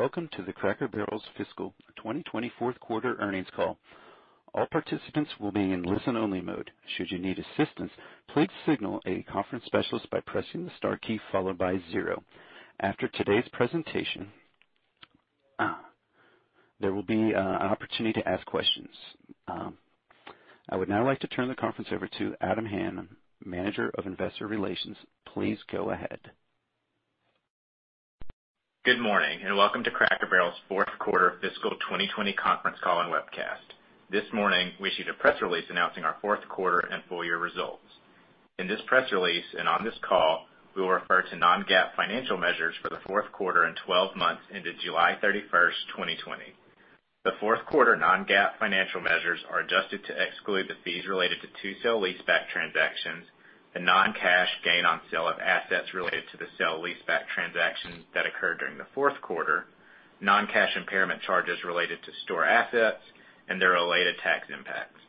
Welcome to the Cracker Barrel's fiscal 2020 fourth quarter earnings call. All participants will be in listen-only mode. Should you need assistance, please signal the conference specialist by pressing the star followed by zero. After today's presentation, there will be an opportunity to ask questions. I would now like to turn the conference over to Adam Hanan, Manager of Investor Relations. Please go ahead. Good morning, and welcome to Cracker Barrel's fourth quarter fiscal 2020 conference call and webcast. This morning, we issued a press release announcing our fourth quarter and full-year results. In this press release and on this call, we will refer to non-GAAP financial measures for the fourth quarter and 12 months into July 31st, 2020. The fourth quarter non-GAAP financial measures are adjusted to exclude the fees related to two sale-leaseback transactions, the non-cash gain on sale of assets related to the sale-leaseback transactions that occurred during the fourth quarter, non-cash impairment charges related to store assets, and their related tax impacts.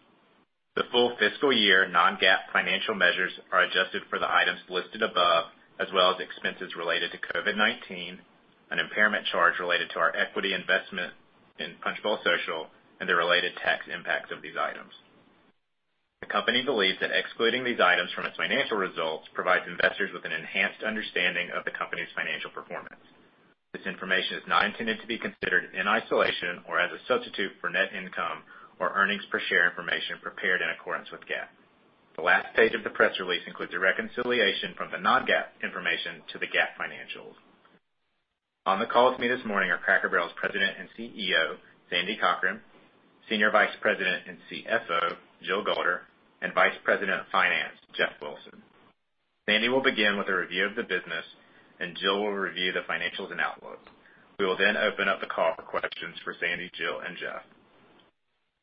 The full fiscal year non-GAAP financial measures are adjusted for the items listed above, as well as expenses related to COVID-19, an impairment charge related to our equity investment in Punchbowl Social, and the related tax impacts of these items. The company believes that excluding these items from its financial results provides investors with an enhanced understanding of the company's financial performance. This information is not intended to be considered in isolation or as a substitute for net income or earnings per share information prepared in accordance with GAAP. The last page of the press release includes a reconciliation from the non-GAAP information to the GAAP financials. On the call with me this morning are Cracker Barrel's President and CEO, Sandy Cochran; Senior Vice President and CFO, Jill Golder; and Vice President of Finance, Jeff Wilson. Sandy will begin with a review of the business, and Jill will review the financials and outlook. We will then open up the call for questions for Sandy, Jill, and Jeff.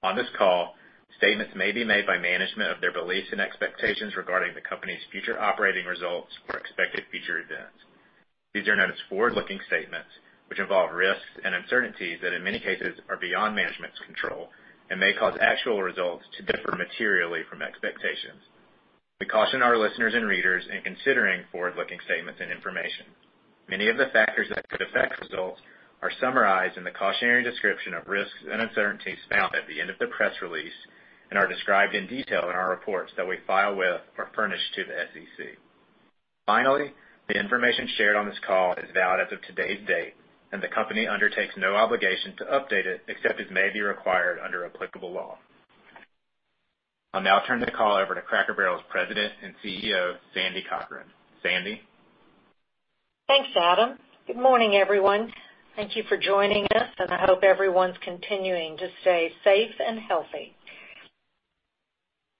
On this call, statements may be made by management of their beliefs and expectations regarding the company's future operating results or expected future events. These are known as forward-looking statements, which involve risks and uncertainties that in many cases are beyond management's control and may cause actual results to differ materially from expectations. We caution our listeners and readers in considering forward-looking statements and information. Many of the factors that could affect results are summarized in the cautionary description of risks and uncertainties found at the end of the press release and are described in detail in our reports that we file with or furnish to the SEC. Finally, the information shared on this call is valid as of today's date, and the company undertakes no obligation to update it except as may be required under applicable law. I'll now turn the call over to Cracker Barrel's President and CEO, Sandy Cochran. Sandy? Thanks, Adam. Good morning, everyone. Thank you for joining us, and I hope everyone's continuing to stay safe and healthy.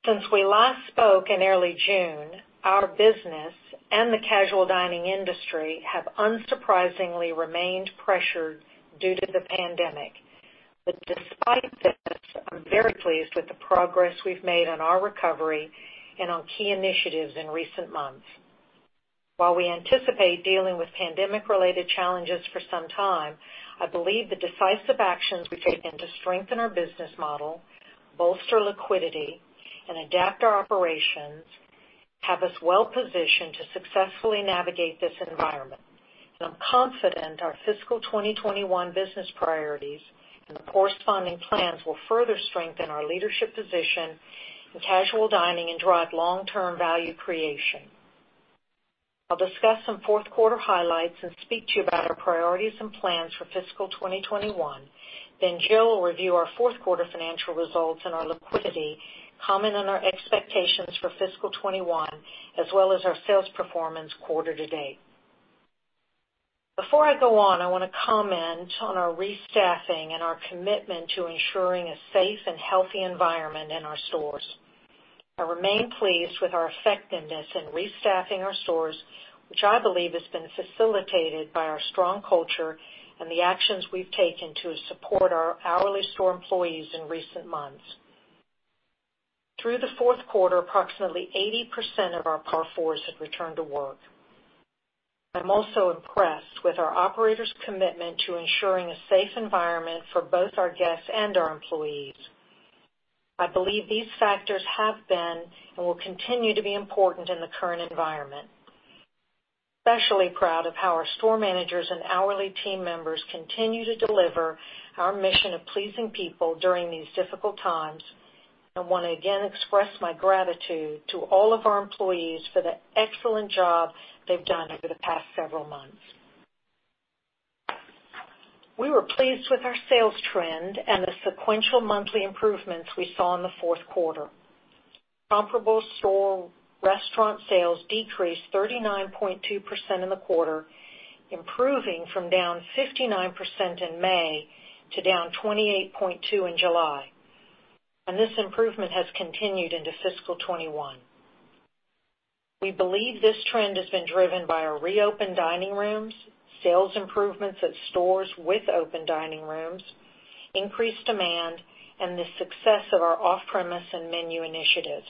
Since we last spoke in early June, our business and the casual dining industry have unsurprisingly remained pressured due to the pandemic. Despite this, I'm very pleased with the progress we've made on our recovery and on key initiatives in recent months. While we anticipate dealing with pandemic-related challenges for some time, I believe the decisive actions we've taken to strengthen our business model, bolster liquidity, and adapt our operations have us well-positioned to successfully navigate this environment. I'm confident our fiscal 2021 business priorities and the corresponding plans will further strengthen our leadership position in casual dining and drive long-term value creation. I'll discuss some fourth quarter highlights and speak to you about our priorities and plans for fiscal 2021. Jill will review our fourth quarter financial results and our liquidity, comment on our expectations for fiscal 2021, as well as our sales performance quarter to date. Before I go on, I want to comment on our restaffing and our commitment to ensuring a safe and healthy environment in our stores. I remain pleased with our effectiveness in restaffing our stores, which I believe has been facilitated by our strong culture and the actions we've taken to support our hourly store employees in recent months. Through the fourth quarter, approximately 80% of our workforce had returned to work. I'm also impressed with our operators' commitment to ensuring a safe environment for both our guests and our employees. I believe these factors have been and will continue to be important in the current environment. Especially proud of how our store managers and hourly team members continue to deliver our mission of pleasing people during these difficult times. I want to again express my gratitude to all of our employees for the excellent job they've done over the past several months. We were pleased with our sales trend and the sequential monthly improvements we saw in the fourth quarter. Comparable store restaurant sales decreased 39.2% in the quarter, improving from down 59% in May to down 28.2% in July. This improvement has continued into fiscal 2021. We believe this trend has been driven by our reopened dining rooms, sales improvements at stores with open dining rooms, increased demand, and the success of our off-premise and menu initiatives.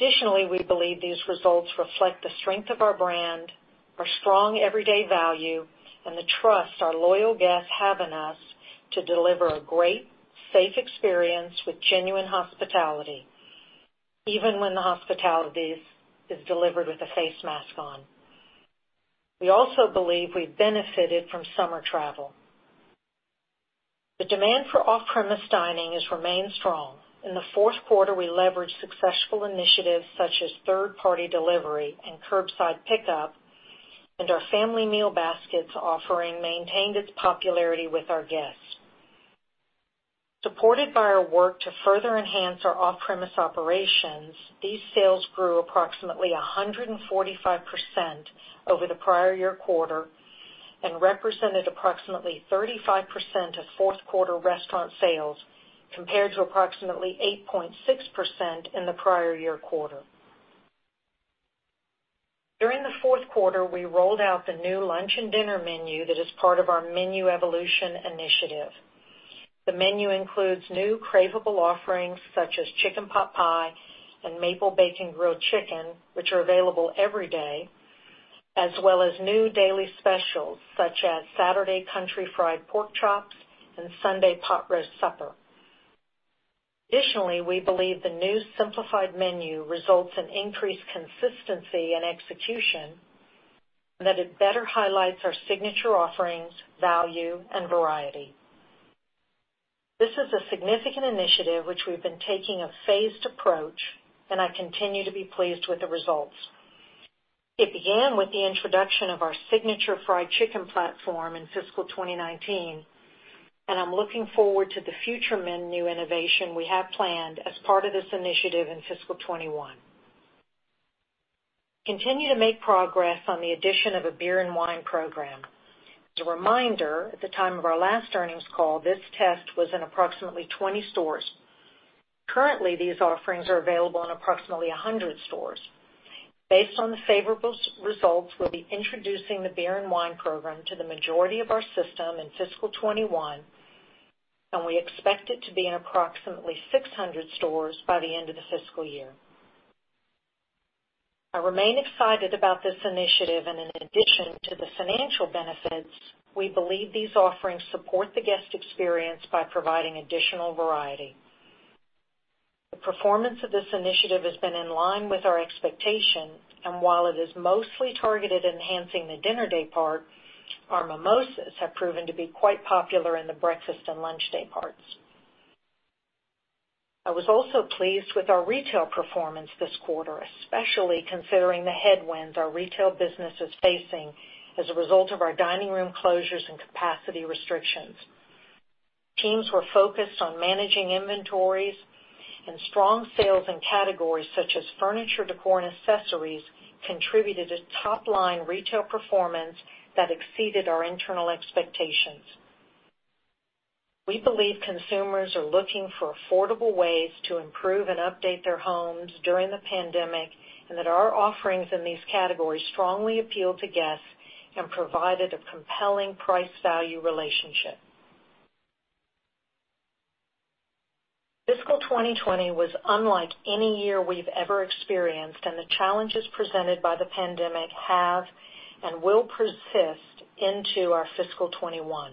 Additionally, we believe these results reflect the strength of our brand, our strong everyday value, and the trust our loyal guests have in us to deliver a great, safe experience with genuine hospitality. Even when the hospitality is delivered with a face mask on. We also believe we've benefited from summer travel. The demand for off-premise dining has remained strong. In the fourth quarter, we leveraged successful initiatives such as third-party delivery and curbside pickup, and our family meal baskets offering maintained its popularity with our guests. Supported by our work to further enhance our off-premise operations, these sales grew approximately 145% over the prior year quarter and represented approximately 35% of fourth quarter restaurant sales, compared to approximately 8.6% in the prior year quarter. During the fourth quarter, we rolled out the new lunch and dinner menu that is part of our Menu Evolution Initiative. The menu includes new craveable offerings such as Chicken Pot Pie and Maple Bacon Grilled Chicken, which are available every day, as well as new daily specials such as Saturday Country Fried Pork Chops and Sunday Pot Roast Supper. Additionally, we believe the new simplified menu results in increased consistency in execution and that it better highlights our signature offerings, value, and variety. This is a significant initiative which we've been taking a phased approach, and I continue to be pleased with the results. It began with the introduction of our signature fried chicken platform in fiscal 2019, and I'm looking forward to the future menu innovation we have planned as part of this initiative in fiscal 2021. Continue to make progress on the addition of a beer and wine program. As a reminder, at the time of our last earnings call, this test was in approximately 20 stores. Currently, these offerings are available in approximately 100 stores. Based on the favorable results, we'll be introducing the beer and wine program to the majority of our system in fiscal 2021, and we expect it to be in approximately 600 stores by the end of the fiscal year. I remain excited about this initiative, and in addition to the financial benefits, we believe these offerings support the guest experience by providing additional variety. The performance of this initiative has been in line with our expectations, and while it is mostly targeted at enhancing the dinner day part, our mimosas have proven to be quite popular in the breakfast and lunch day parts. I was also pleased with our retail performance this quarter, especially considering the headwinds our retail business is facing as a result of our dining room closures and capacity restrictions. Teams were focused on managing inventories, and strong sales in categories such as furniture, decor, and accessories contributed to top-line retail performance that exceeded our internal expectations. We believe consumers are looking for affordable ways to improve and update their homes during the pandemic, and that our offerings in these categories strongly appeal to guests and provided a compelling price-value relationship. Fiscal 2020 was unlike any year we've ever experienced, and the challenges presented by the pandemic have and will persist into our fiscal 2021.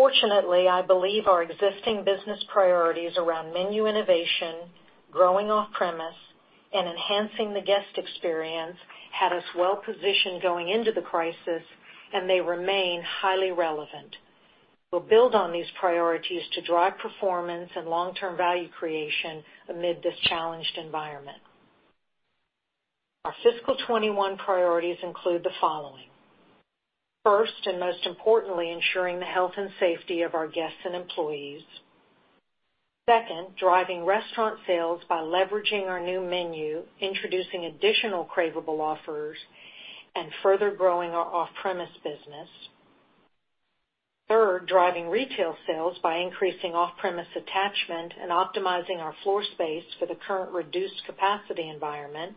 Fortunately, I believe our existing business priorities around menu innovation, growing off-premise, and enhancing the guest experience had us well-positioned going into the crisis, and they remain highly relevant. We'll build on these priorities to drive performance and long-term value creation amid this challenged environment. Our fiscal 2021 priorities include the following. First, most importantly, ensuring the health and safety of our guests and employees. Second, driving restaurant sales by leveraging our new menu, introducing additional craveable offers, further growing our off-premise business. Third, driving retail sales by increasing off-premise attachment optimizing our floor space for the current reduced capacity environment.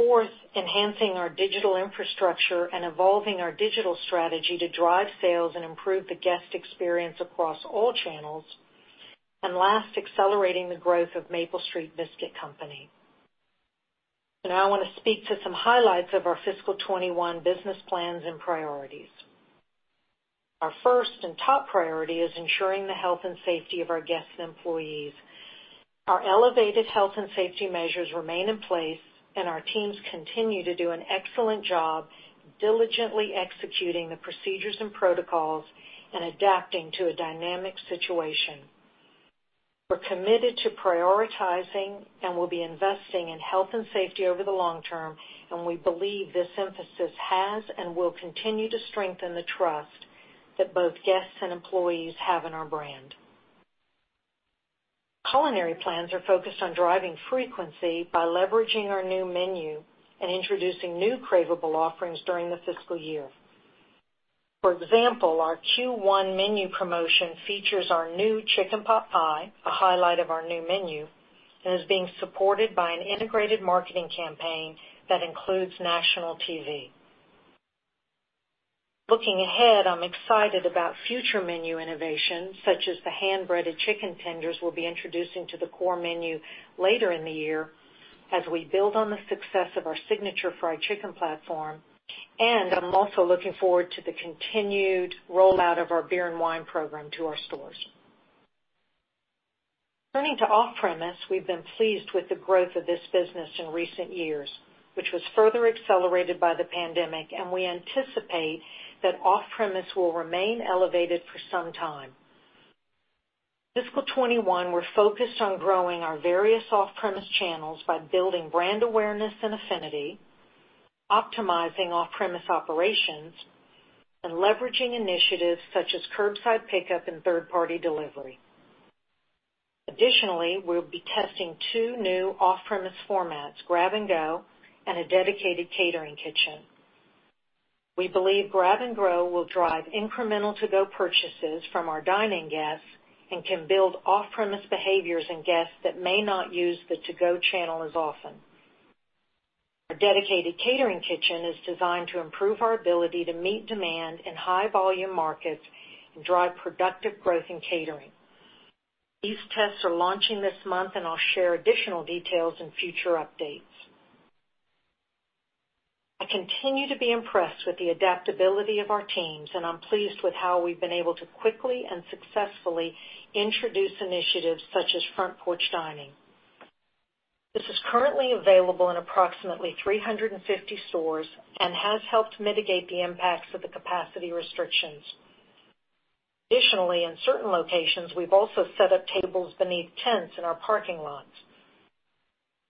Fourth, enhancing our digital infrastructure evolving our digital strategy to drive sales and improve the guest experience across all channels. Last, accelerating the growth of Maple Street Biscuit Company. Now I want to speak to some highlights of our fiscal 2021 business plans and priorities. Our first and top priority is ensuring the health and safety of our guests and employees. Our elevated health and safety measures remain in place, and our teams continue to do an excellent job diligently executing the procedures and protocols and adapting to a dynamic situation. We're committed to prioritizing and will be investing in health and safety over the long term, and we believe this emphasis has and will continue to strengthen the trust that both guests and employees have in our brand. Culinary plans are focused on driving frequency by leveraging our new menu and introducing new craveable offerings during the fiscal year. For example, our Q1 menu promotion features our new Chicken Pot Pie, a highlight of our new menu, and is being supported by an integrated marketing campaign that includes national TV. Looking ahead, I'm excited about future menu innovations, such as the Hand-Breaded Chicken Tenders we'll be introducing to the core menu later in the year, as we build on the success of our signature fried chicken platform. I'm also looking forward to the continued rollout of our beer and wine program to our stores. Turning to off-premise, we've been pleased with the growth of this business in recent years, which was further accelerated by the pandemic, and we anticipate that off-premise will remain elevated for some time. Fiscal 2021, we're focused on growing our various off-premise channels by building brand awareness and affinity, optimizing off-premise operations, and leveraging initiatives such as curbside pickup and third-party delivery. Additionally, we'll be testing two new off-premise formats, Grab & Go and a dedicated catering kitchen. We believe Grab & Go will drive incremental to-go purchases from our dine-in guests and can build off-premise behaviors in guests that may not use the to-go channel as often. Our dedicated catering kitchen is designed to improve our ability to meet demand in high-volume markets and drive productive growth in catering. These tests are launching this month, and I'll share additional details in future updates. I continue to be impressed with the adaptability of our teams, and I'm pleased with how we've been able to quickly and successfully introduce initiatives such as front porch dining. This is currently available in approximately 350 stores and has helped mitigate the impacts of the capacity restrictions. Additionally, in certain locations, we've also set up tables beneath tents in our parking lots.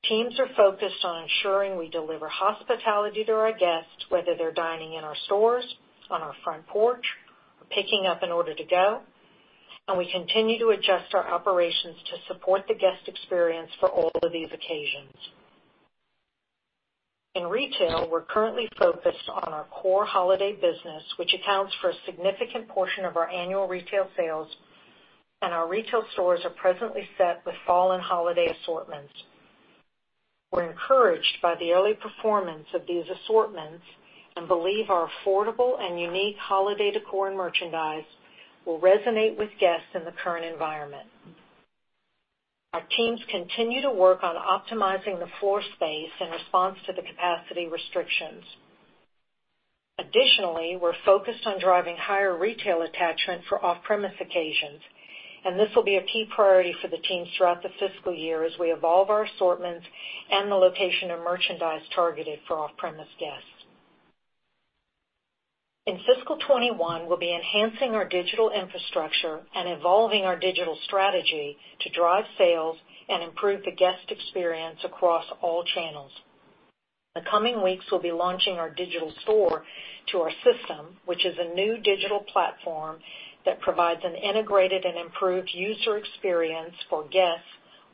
Teams are focused on ensuring we deliver hospitality to our guests, whether they're dining in our stores, on our front porch, or picking up an order to go, and we continue to adjust our operations to support the guest experience for all of these occasions. In retail, we're currently focused on our core holiday business, which accounts for a significant portion of our annual retail sales, and our retail stores are presently set with fall and holiday assortments. We're encouraged by the early performance of these assortments and believe our affordable and unique holiday decor and merchandise will resonate with guests in the current environment. Our teams continue to work on optimizing the floor space in response to the capacity restrictions. Additionally, we're focused on driving higher retail attachment for off-premise occasions, and this will be a key priority for the teams throughout the fiscal year as we evolve our assortments and the location of merchandise targeted for off-premise guests. In FY 2021, we'll be enhancing our digital infrastructure and evolving our digital strategy to drive sales and improve the guest experience across all channels. In the coming weeks, we'll be launching our Digital Store to our system, which is a new digital platform that provides an integrated and improved user experience for guests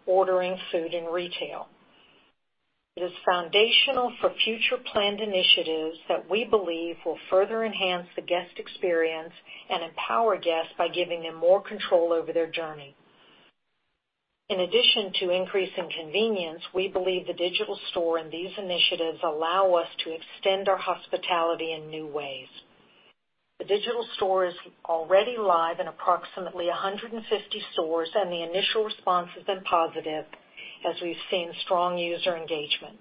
ordering food in retail. It is foundational for future planned initiatives that we believe will further enhance the guest experience and empower guests by giving them more control over their journey. In addition to increase in convenience, we believe the Digital Store and these initiatives allow us to extend our hospitality in new ways. The Digital Store is already live in approximately 150 stores, and the initial response has been positive, as we've seen strong user engagement.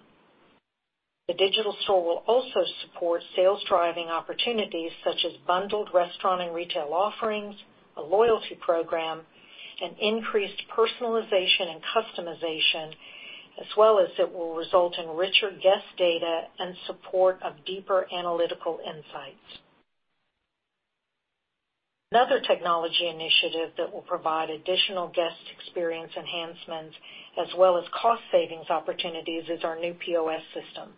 The Digital Store will also support sales-driving opportunities such as bundled restaurant and retail offerings, a loyalty program, and increased personalization and customization, as well as it will result in richer guest data and support of deeper analytical insights. Another technology initiative that will provide additional guest experience enhancements as well as cost savings opportunities is our new POS system.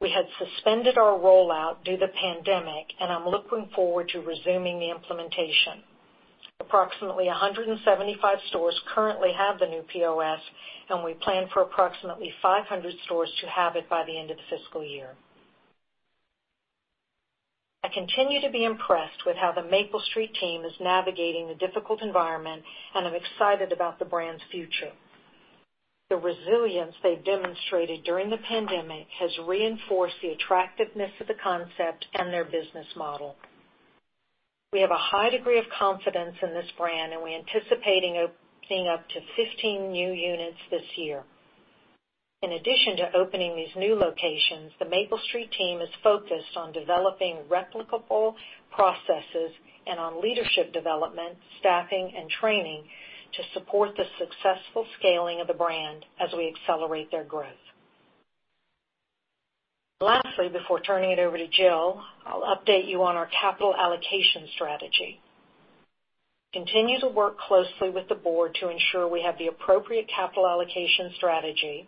We had suspended our rollout due to pandemic, and I'm looking forward to resuming the implementation. Approximately 175 stores currently have the new POS, and we plan for approximately 500 stores to have it by the end of the fiscal year. I continue to be impressed with how the Maple Street team is navigating the difficult environment, and I'm excited about the brand's future. The resilience they've demonstrated during the pandemic has reinforced the attractiveness of the concept and their business model. We have a high degree of confidence in this brand, and we're anticipating opening up to 15 new units this year. In addition to opening these new locations, the Maple Street team is focused on developing replicable processes and on leadership development, staffing, and training to support the successful scaling of the brand as we accelerate their growth. Lastly, before turning it over to Jill, I'll update you on our capital allocation strategy. We continue to work closely with the board to ensure we have the appropriate capital allocation strategy.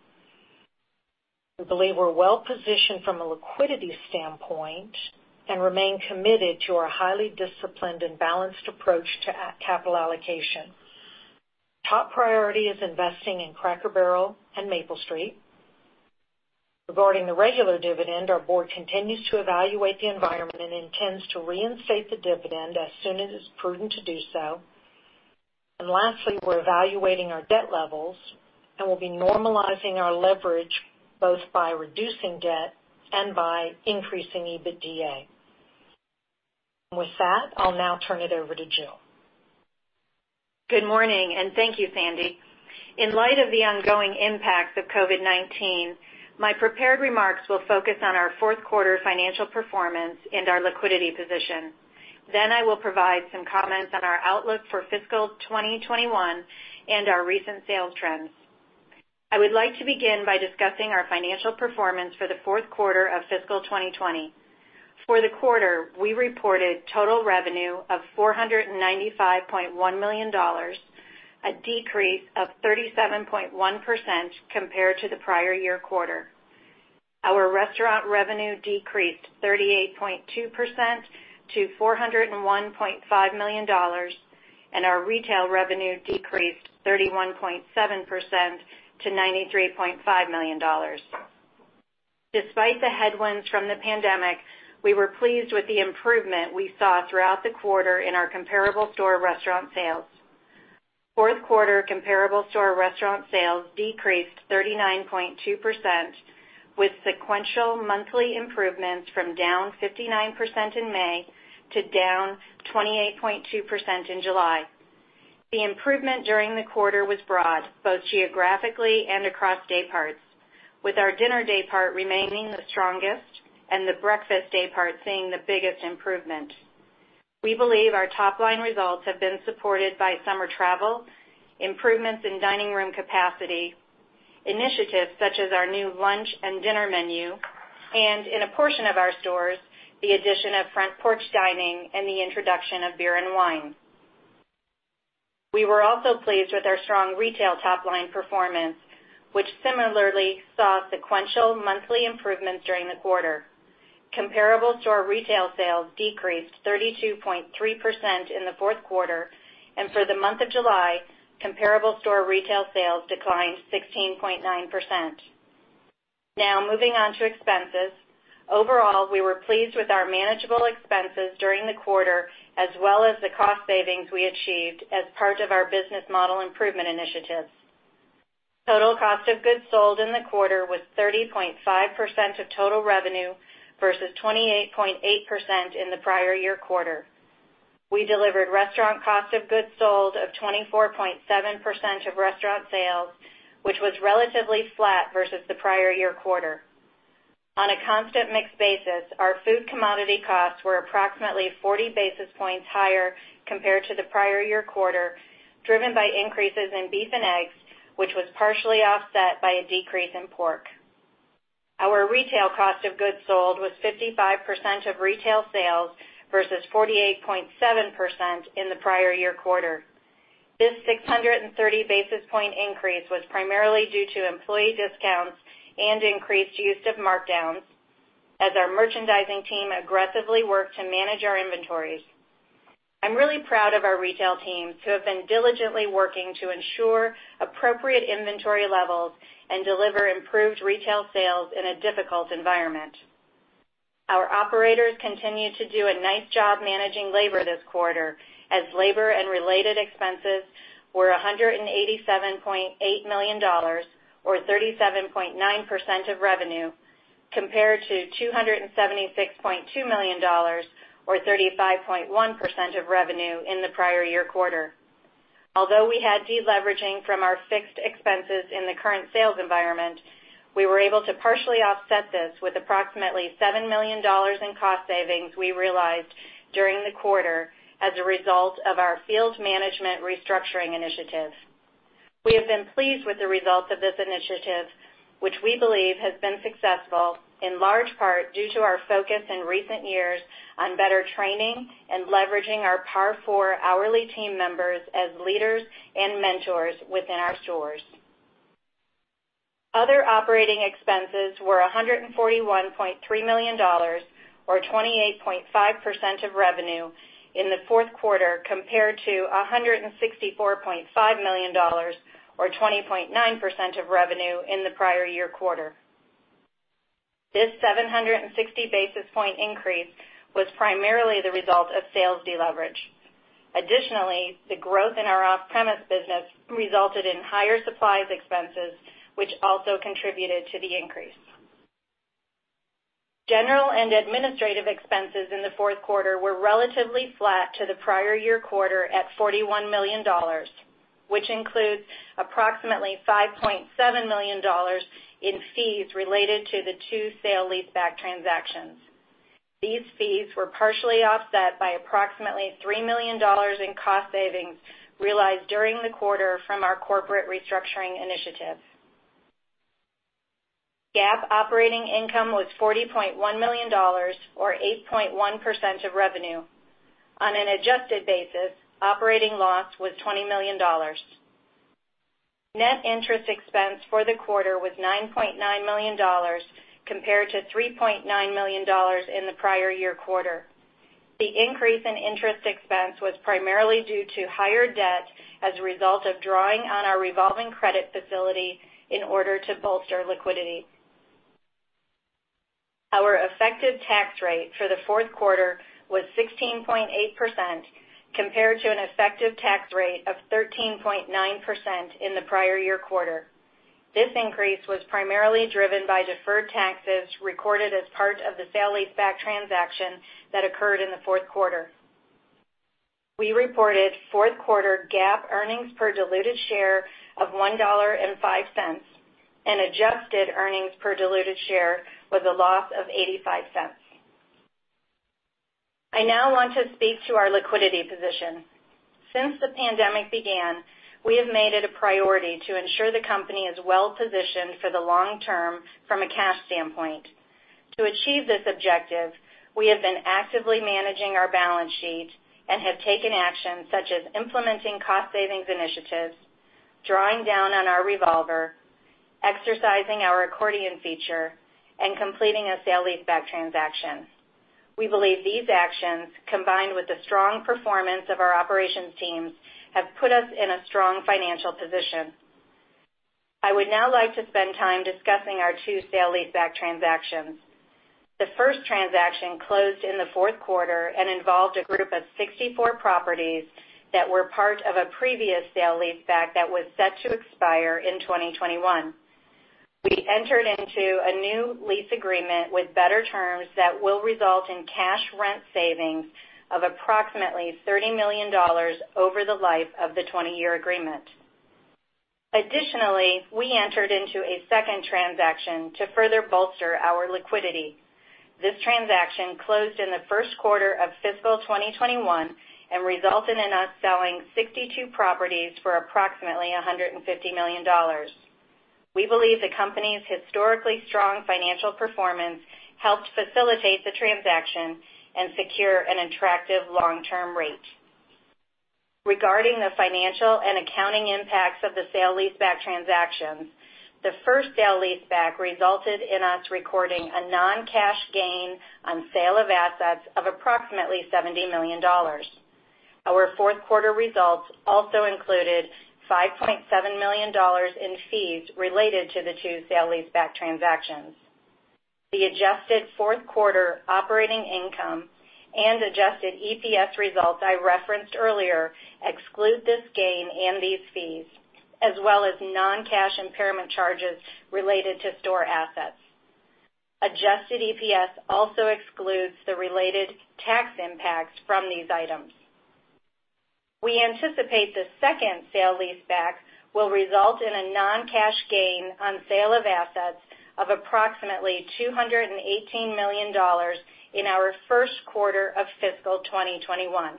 We believe we're well-positioned from a liquidity standpoint and remain committed to our highly disciplined and balanced approach to capital allocation. Top priority is investing in Cracker Barrel and Maple Street. Regarding the regular dividend, our board continues to evaluate the environment and intends to reinstate the dividend as soon as it's prudent to do so. Lastly, we're evaluating our debt levels, and we'll be normalizing our leverage both by reducing debt and by increasing EBITDA. With that, I'll now turn it over to Jill Good morning, thank you, Sandy. In light of the ongoing impacts of COVID-19, my prepared remarks will focus on our fourth quarter financial performance and our liquidity position. I will provide some comments on our outlook for fiscal 2021 and our recent sales trends. I would like to begin by discussing our financial performance for the fourth quarter of fiscal 2020. For the quarter, we reported total revenue of $495.1 million, a decrease of 37.1% compared to the prior year quarter. Our restaurant revenue decreased 38.2% to $401.5 million, and our retail revenue decreased 31.7% to $93.5 million. Despite the headwinds from the pandemic, we were pleased with the improvement we saw throughout the quarter in our comparable store restaurant sales. Fourth quarter comparable store restaurant sales decreased 39.2%, with sequential monthly improvements from down 59% in May to down 28.2% in July. The improvement during the quarter was broad, both geographically and across day parts, with our dinner day part remaining the strongest and the breakfast day part seeing the biggest improvement. We believe our top-line results have been supported by summer travel, improvements in dining room capacity, initiatives such as our new lunch and dinner menu, and in a portion of our stores, the addition of front porch dining and the introduction of beer and wine. We were also pleased with our strong retail top-line performance, which similarly saw sequential monthly improvements during the quarter. Comparable store retail sales decreased 32.3% in the fourth quarter, and for the month of July, comparable store retail sales declined 16.9%. Moving on to expenses. Overall, we were pleased with our manageable expenses during the quarter, as well as the cost savings we achieved as part of our business model improvement initiatives. Total cost of goods sold in the quarter was 30.5% of total revenue versus 28.8% in the prior year quarter. We delivered restaurant cost of goods sold of 24.7% of restaurant sales, which was relatively flat versus the prior year quarter. On a constant mix basis, our food commodity costs were approximately 40 basis points higher compared to the prior year quarter, driven by increases in beef and eggs, which was partially offset by a decrease in pork. Our retail cost of goods sold was 55% of retail sales versus 48.7% in the prior year quarter. This 630 basis point increase was primarily due to employee discounts and increased use of markdowns as our merchandising team aggressively worked to manage our inventories. I'm really proud of our retail teams, who have been diligently working to ensure appropriate inventory levels and deliver improved retail sales in a difficult environment. Our operators continued to do a nice job managing labor this quarter, as labor and related expenses were $187.8 million, or 37.9% of revenue, compared to $276.2 million, or 35.1% of revenue in the prior year quarter. Although we had deleveraging from our fixed expenses in the current sales environment, we were able to partially offset this with approximately $7 million in cost savings we realized during the quarter as a result of our field management restructuring initiative. We have been pleased with the results of this initiative, which we believe has been successful in large part due to our focus in recent years on better training and leveraging our Par4 hourly team members as leaders and mentors within our stores. Other operating expenses were $141.3 million, or 28.5% of revenue in the fourth quarter, compared to $164.5 million, or 20.9% of revenue in the prior year quarter. This 760 basis point increase was primarily the result of sales deleverage. Additionally, the growth in our off-premise business resulted in higher supplies expenses, which also contributed to the increase. General and administrative expenses in the fourth quarter were relatively flat to the prior year quarter at $41 million, which includes approximately $5.7 million in fees related to the two sale-leaseback transactions. These fees were partially offset by approximately $3 million in cost savings realized during the quarter from our corporate restructuring initiative. GAAP operating income was $40.1 million, or 8.1% of revenue. On an adjusted basis, operating loss was $20 million. Net interest expense for the quarter was $9.9 million compared to $3.9 million in the prior year quarter. The increase in interest expense was primarily due to higher debt as a result of drawing on our revolving credit facility in order to bolster liquidity. Our effective tax rate for the fourth quarter was 16.8% compared to an effective tax rate of 13.9% in the prior year quarter. This increase was primarily driven by deferred taxes recorded as part of the sale-leaseback transaction that occurred in the fourth quarter. We reported fourth quarter GAAP earnings per diluted share of $1.05, and adjusted earnings per diluted share with a loss of $0.85. I now want to speak to our liquidity position. Since the pandemic began, we have made it a priority to ensure the company is well-positioned for the long term from a cash standpoint. To achieve this objective, we have been actively managing our balance sheet and have taken action such as implementing cost savings initiatives, drawing down on our revolver, exercising our accordion feature, and completing a sale-leaseback transaction. We believe these actions, combined with the strong performance of our operations teams, have put us in a strong financial position. I would now like to spend time discussing our two sale-leaseback transactions. The first transaction closed in the fourth quarter and involved a group of 64 properties that were part of a previous sale-leaseback that was set to expire in 2021. We entered into a new lease agreement with better terms that will result in cash rent savings of approximately $30 million over the life of the 20-year agreement. Additionally, we entered into a second transaction to further bolster our liquidity. This transaction closed in the first quarter of fiscal 2021 and resulted in us selling 62 properties for approximately $150 million. We believe the company's historically strong financial performance helped facilitate the transaction and secure an attractive long-term rate. Regarding the financial and accounting impacts of the sale-leaseback transactions, the first sale-leaseback resulted in us recording a non-cash gain on sale of assets of approximately $70 million. Our fourth quarter results also included $5.7 million in fees related to the two sale-leaseback transactions. The adjusted fourth quarter operating income and adjusted EPS results I referenced earlier exclude this gain and these fees, as well as non-cash impairment charges related to store assets. Adjusted EPS also excludes the related tax impacts from these items. We anticipate the second sale-leaseback will result in a non-cash gain on sale of assets of approximately $218 million in our first quarter of fiscal 2021.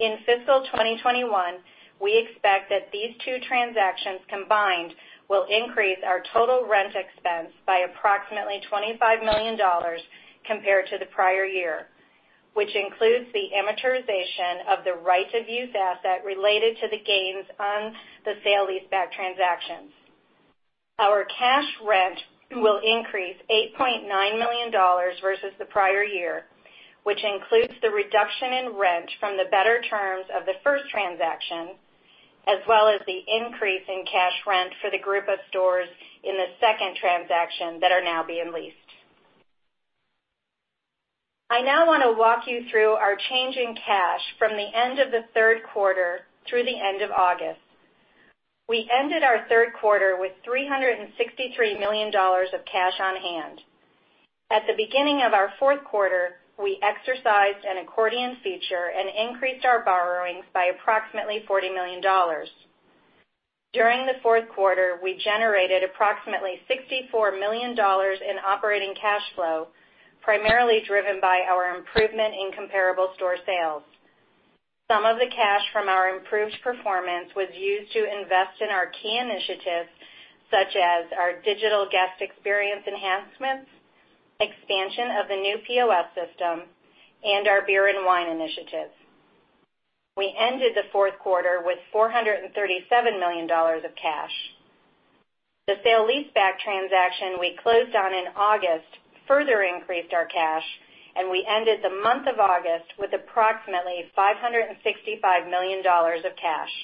In fiscal 2021, we expect that these two transactions combined will increase our total rent expense by approximately $25 million compared to the prior year, which includes the amortization of the right-of-use asset related to the gains on the sale-leaseback transactions. Our cash rent will increase $8.9 million versus the prior year, which includes the reduction in rent from the better terms of the first transaction, as well as the increase in cash rent for the group of stores in the second transaction that are now being leased. I now want to walk you through our change in cash from the end of the third quarter through the end of August. We ended our third quarter with $363 million of cash on hand. At the beginning of our fourth quarter, we exercised an accordion feature and increased our borrowings by approximately $40 million. During the fourth quarter, we generated approximately $64 million in operating cash flow, primarily driven by our improvement in comparable store sales. Some of the cash from our improved performance was used to invest in our key initiatives, such as our digital guest experience enhancements, expansion of the new POS system, and our beer and wine initiatives. We ended the fourth quarter with $437 million of cash. The sale-leaseback transaction we closed on in August further increased our cash, and we ended the month of August with approximately $565 million of cash.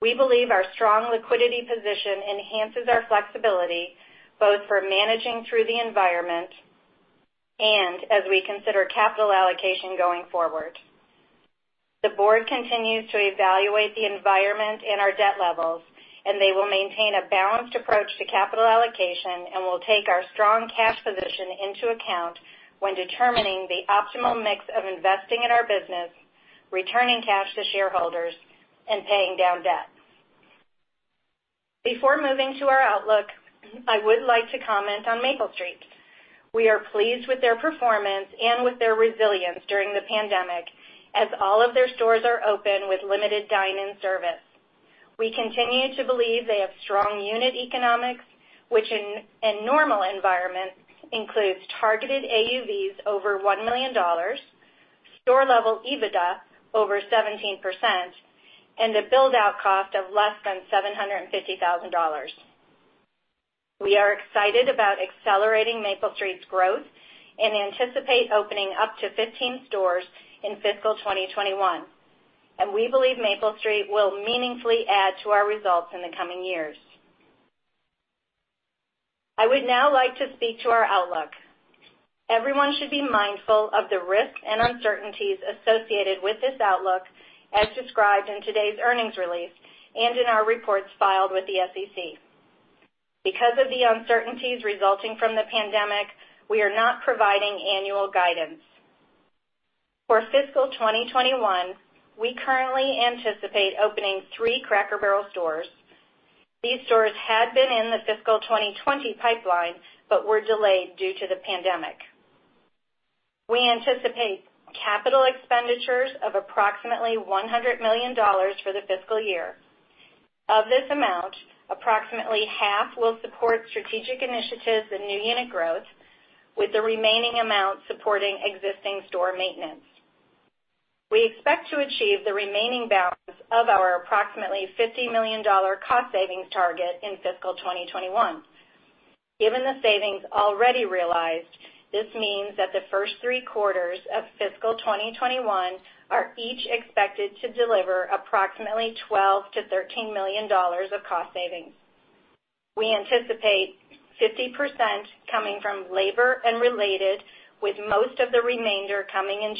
We believe our strong liquidity position enhances our flexibility both for managing through the environment and as we consider capital allocation going forward. The board continues to evaluate the environment and our debt levels, and they will maintain a balanced approach to capital allocation and will take our strong cash position into account when determining the optimal mix of investing in our business, returning cash to shareholders, and paying down debt. Before moving to our outlook, I would like to comment on Maple Street. We are pleased with their performance and with their resilience during the pandemic, as all of their stores are open with limited dine-in service. We continue to believe they have strong unit economics, which in a normal environment includes targeted AUVs over $1 million, store-level EBITDA over 17%, and a build-out cost of less than $750,000. We are excited about accelerating Maple Street's growth and anticipate opening up to 15 stores in fiscal 2021. We believe Maple Street will meaningfully add to our results in the coming years. I would now like to speak to our outlook. Everyone should be mindful of the risks and uncertainties associated with this outlook, as described in today's earnings release and in our reports filed with the SEC. Because of the uncertainties resulting from the pandemic, we are not providing annual guidance. For FY 2021, we currently anticipate opening three Cracker Barrel stores. These stores had been in the FY 2020 pipeline, but were delayed due to the pandemic. We anticipate capital expenditures of approximately $100 million for the fiscal year. Of this amount, approximately half will support strategic initiatives and new unit growth, with the remaining amount supporting existing store maintenance. We expect to achieve the remaining balance of our approximately $50 million cost savings target in FY 2021. Given the savings already realized, this means that the first three quarters of fiscal 2021 are each expected to deliver approximately $12 million-$13 million of cost savings. We anticipate 50% coming from labor and related, with most of the remainder coming in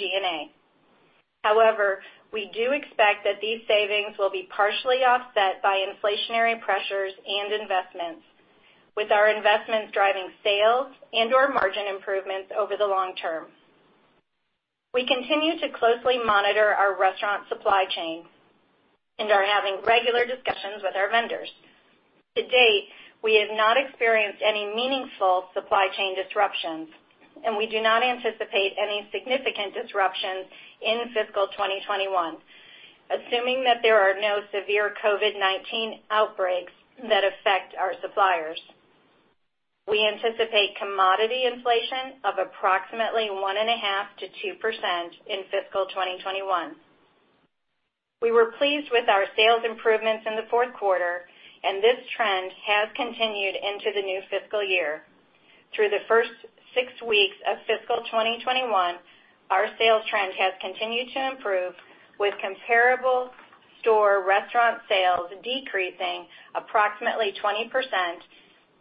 G&A. We do expect that these savings will be partially offset by inflationary pressures and investments, with our investments driving sales and/or margin improvements over the long term. We continue to closely monitor our restaurant supply chain and are having regular discussions with our vendors. To date, we have not experienced any meaningful supply chain disruptions, and we do not anticipate any significant disruptions in fiscal 2021, assuming that there are no severe COVID-19 outbreaks that affect our suppliers. We anticipate commodity inflation of approximately 1.5%-2% in fiscal 2021. We were pleased with our sales improvements in the fourth quarter, and this trend has continued into the new fiscal year. Through the first six weeks of fiscal 2021, our sales trend has continued to improve, with comparable store restaurant sales decreasing approximately 20%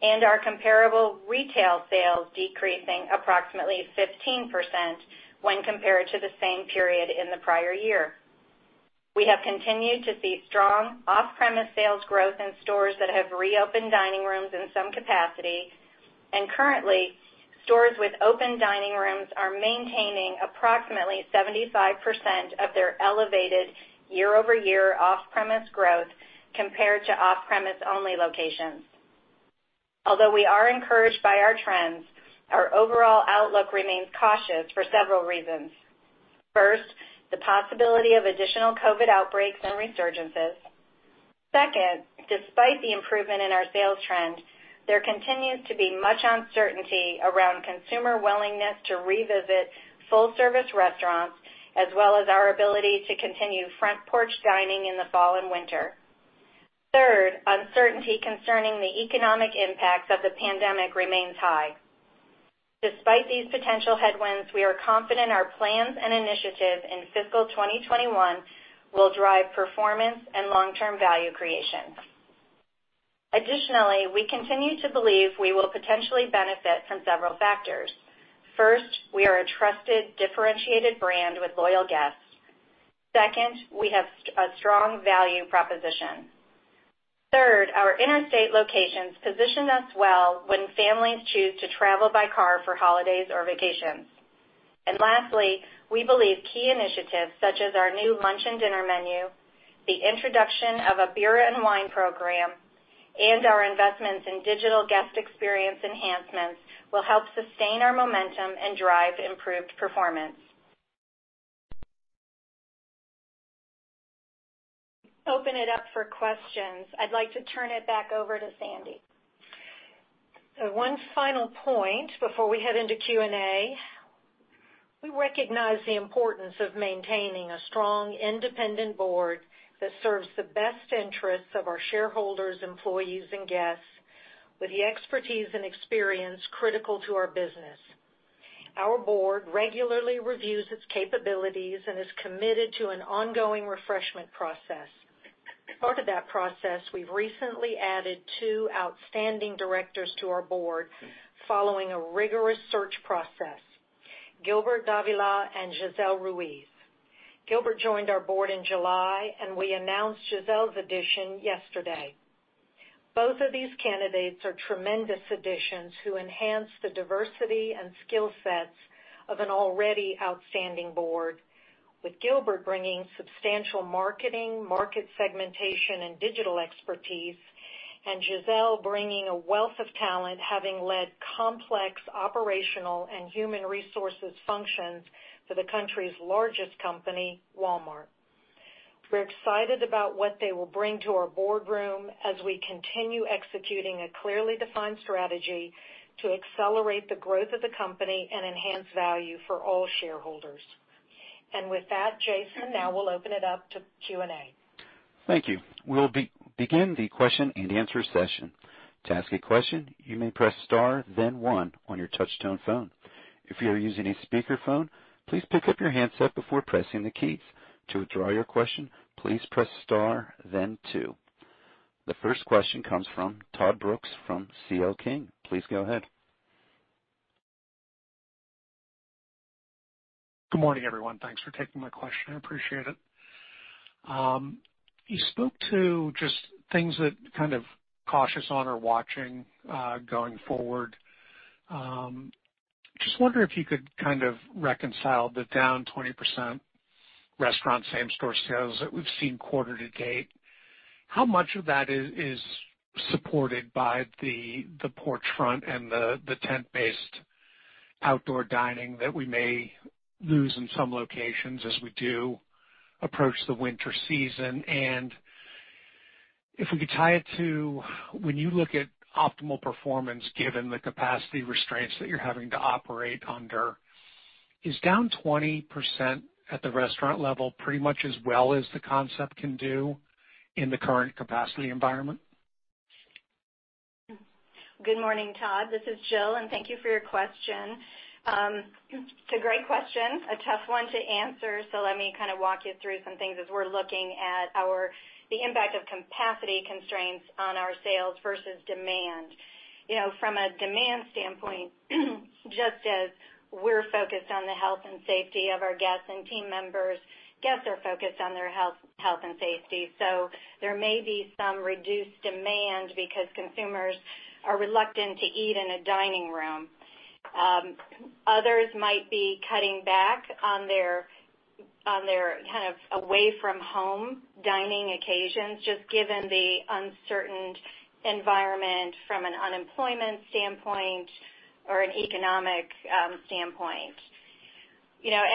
and our comparable retail sales decreasing approximately 15% when compared to the same period in the prior year. We have continued to see strong off-premise sales growth in stores that have reopened dining rooms in some capacity, and currently, stores with open dining rooms are maintaining approximately 75% of their elevated year-over-year off-premise growth compared to off-premise-only locations. Although we are encouraged by our trends, our overall outlook remains cautious for several reasons. First, the possibility of additional COVID outbreaks and resurgences. Second, despite the improvement in our sales trend, there continues to be much uncertainty around consumer willingness to revisit full-service restaurants, as well as our ability to continue front porch dining in the fall and winter. Third, uncertainty concerning the economic impacts of the pandemic remains high. Despite these potential headwinds, we are confident our plans and initiatives in fiscal 2021 will drive performance and long-term value creation. Additionally, we continue to believe we will potentially benefit from several factors. First, we are a trusted, differentiated brand with loyal guests. Second, we have a strong value proposition. Third, our interstate locations position us well when families choose to travel by car for holidays or vacations. Lastly, we believe key initiatives such as our new lunch and dinner menu, the introduction of a beer and wine program, and our investments in digital guest experience enhancements will help sustain our momentum and drive improved performance. Open it up for questions. I'd like to turn it back over to Sandy. One final point before we head into Q&A. We recognize the importance of maintaining a strong, independent board that serves the best interests of our shareholders, employees, and guests with the expertise and experience critical to our business. Our board regularly reviews its capabilities and is committed to an ongoing refreshment process. As part of that process, we've recently added two outstanding directors to our board, following a rigorous search process: Gilbert Dávila and Gisel Ruiz. Gilbert joined our board in July, and we announced Gisel's addition yesterday. Both of these candidates are tremendous additions who enhance the diversity and skill sets of an already outstanding board, with Gilbert bringing substantial marketing, market segmentation, and digital expertise, and Gisel bringing a wealth of talent, having led complex operational and human resources functions for the country's largest company, Walmart. We're excited about what they will bring to our boardroom as we continue executing a clearly defined strategy to accelerate the growth of the company and enhance value for all shareholders. With that, Jason, now we'll open it up to Q&A. Thank you. We will begin the question-and-answer session. To ask a question, you may press star then one on your touchtone phone. If you're using a speakerphone, please pick up your handset before pressing the keys. To withdraw your question, please press star then two. The first question comes from Todd Brooks from C.L. King. Please go ahead. Good morning, everyone. Thanks for taking my question. I appreciate it. You spoke to just things that kind of cautious on or watching going forward. I just wonder if you could kind of reconcile the down 20% restaurant same-store sales that we've seen quarter to date. How much of that is supported by the porch front and the tent-based outdoor dining that we may lose in some locations as we do approach the winter season? If we could tie it to when you look at optimal performance, given the capacity restraints that you're having to operate under. Is down 20% at the restaurant level pretty much as well as the concept can do in the current capacity environment? Good morning, Todd. This is Jill. Thank you for your question. It's a great question. A tough one to answer, so let me kind of walk you through some things as we're looking at the impact of capacity constraints on our sales versus demand. From a demand standpoint, just as we're focused on the health and safety of our guests and team members, guests are focused on their health and safety. There may be some reduced demand because consumers are reluctant to eat in a dining room. Others might be cutting back on their kind of away-from-home dining occasions, just given the uncertain environment from an unemployment standpoint or an economic standpoint.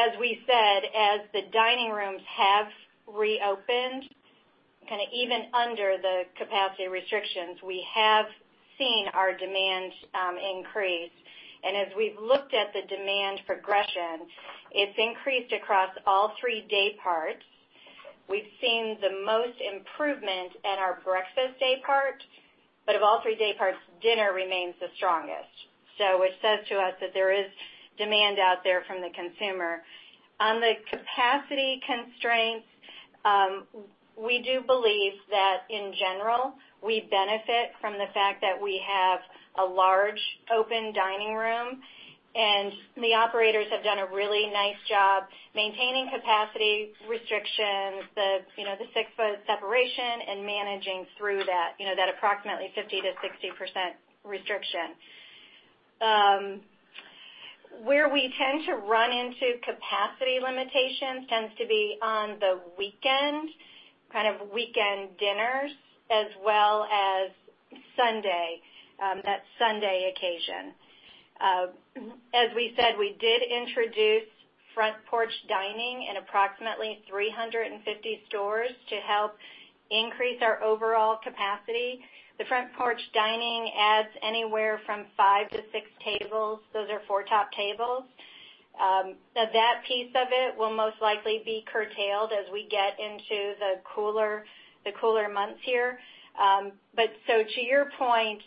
As we said, as the dining rooms have reopened, kind of even under the capacity restrictions, we have seen our demand increase. As we've looked at the demand progression, it's increased across all three day parts. We've seen the most improvement in our breakfast day part, but of all three day parts, dinner remains the strongest. Which says to us that there is demand out there from the consumer. On the capacity constraints, we do believe that in general, we benefit from the fact that we have a large open dining room, and the operators have done a really nice job maintaining capacity restrictions, the six-foot separation, and managing through that approximately 50%-60% restriction. Where we tend to run into capacity limitations tends to be on the weekend, kind of weekend dinners, as well as Sunday, that Sunday occasion. As we said, we did introduce front porch dining in approximately 350 stores to help increase our overall capacity. The front porch dining adds anywhere from five to six tables. Those are four top tables. That piece of it will most likely be curtailed as we get into the cooler months here. To your point,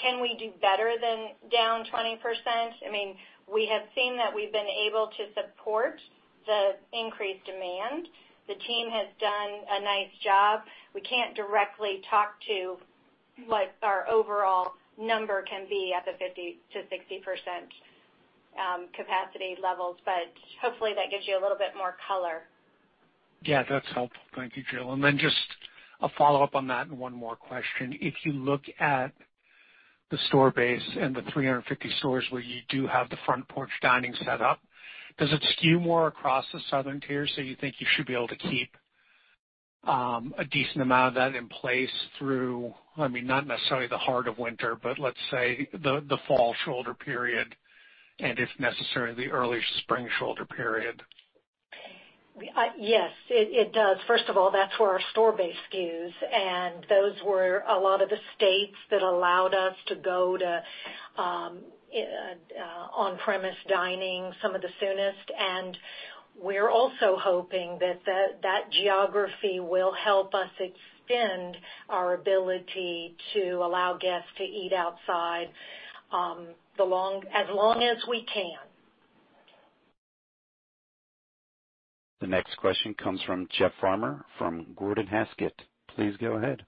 can we do better than down 20%? We have seen that we've been able to support the increased demand. The team has done a nice job. We can't directly talk to what our overall number can be at the 50%-60% capacity levels, hopefully, that gives you a little bit more color. Yeah, that's helpful. Thank you, Jill. Then just a follow-up on that and one more question. If you look at the store base and the 350 stores where you do have the front porch dining set up, does it skew more across the Southern tier, so you think you should be able to keep a decent amount of that in place through, not necessarily the heart of winter, but let's say the fall shoulder period and if necessary, the early spring shoulder period? Yes, it does. First of all, that's where our store base skews, and those were a lot of the states that allowed us to go to on-premise dining some of the soonest, and we're also hoping that geography will help us extend our ability to allow guests to eat outside as long as we can. The next question comes from Jeff Farmer, from Gordon Haskett. Please go ahead.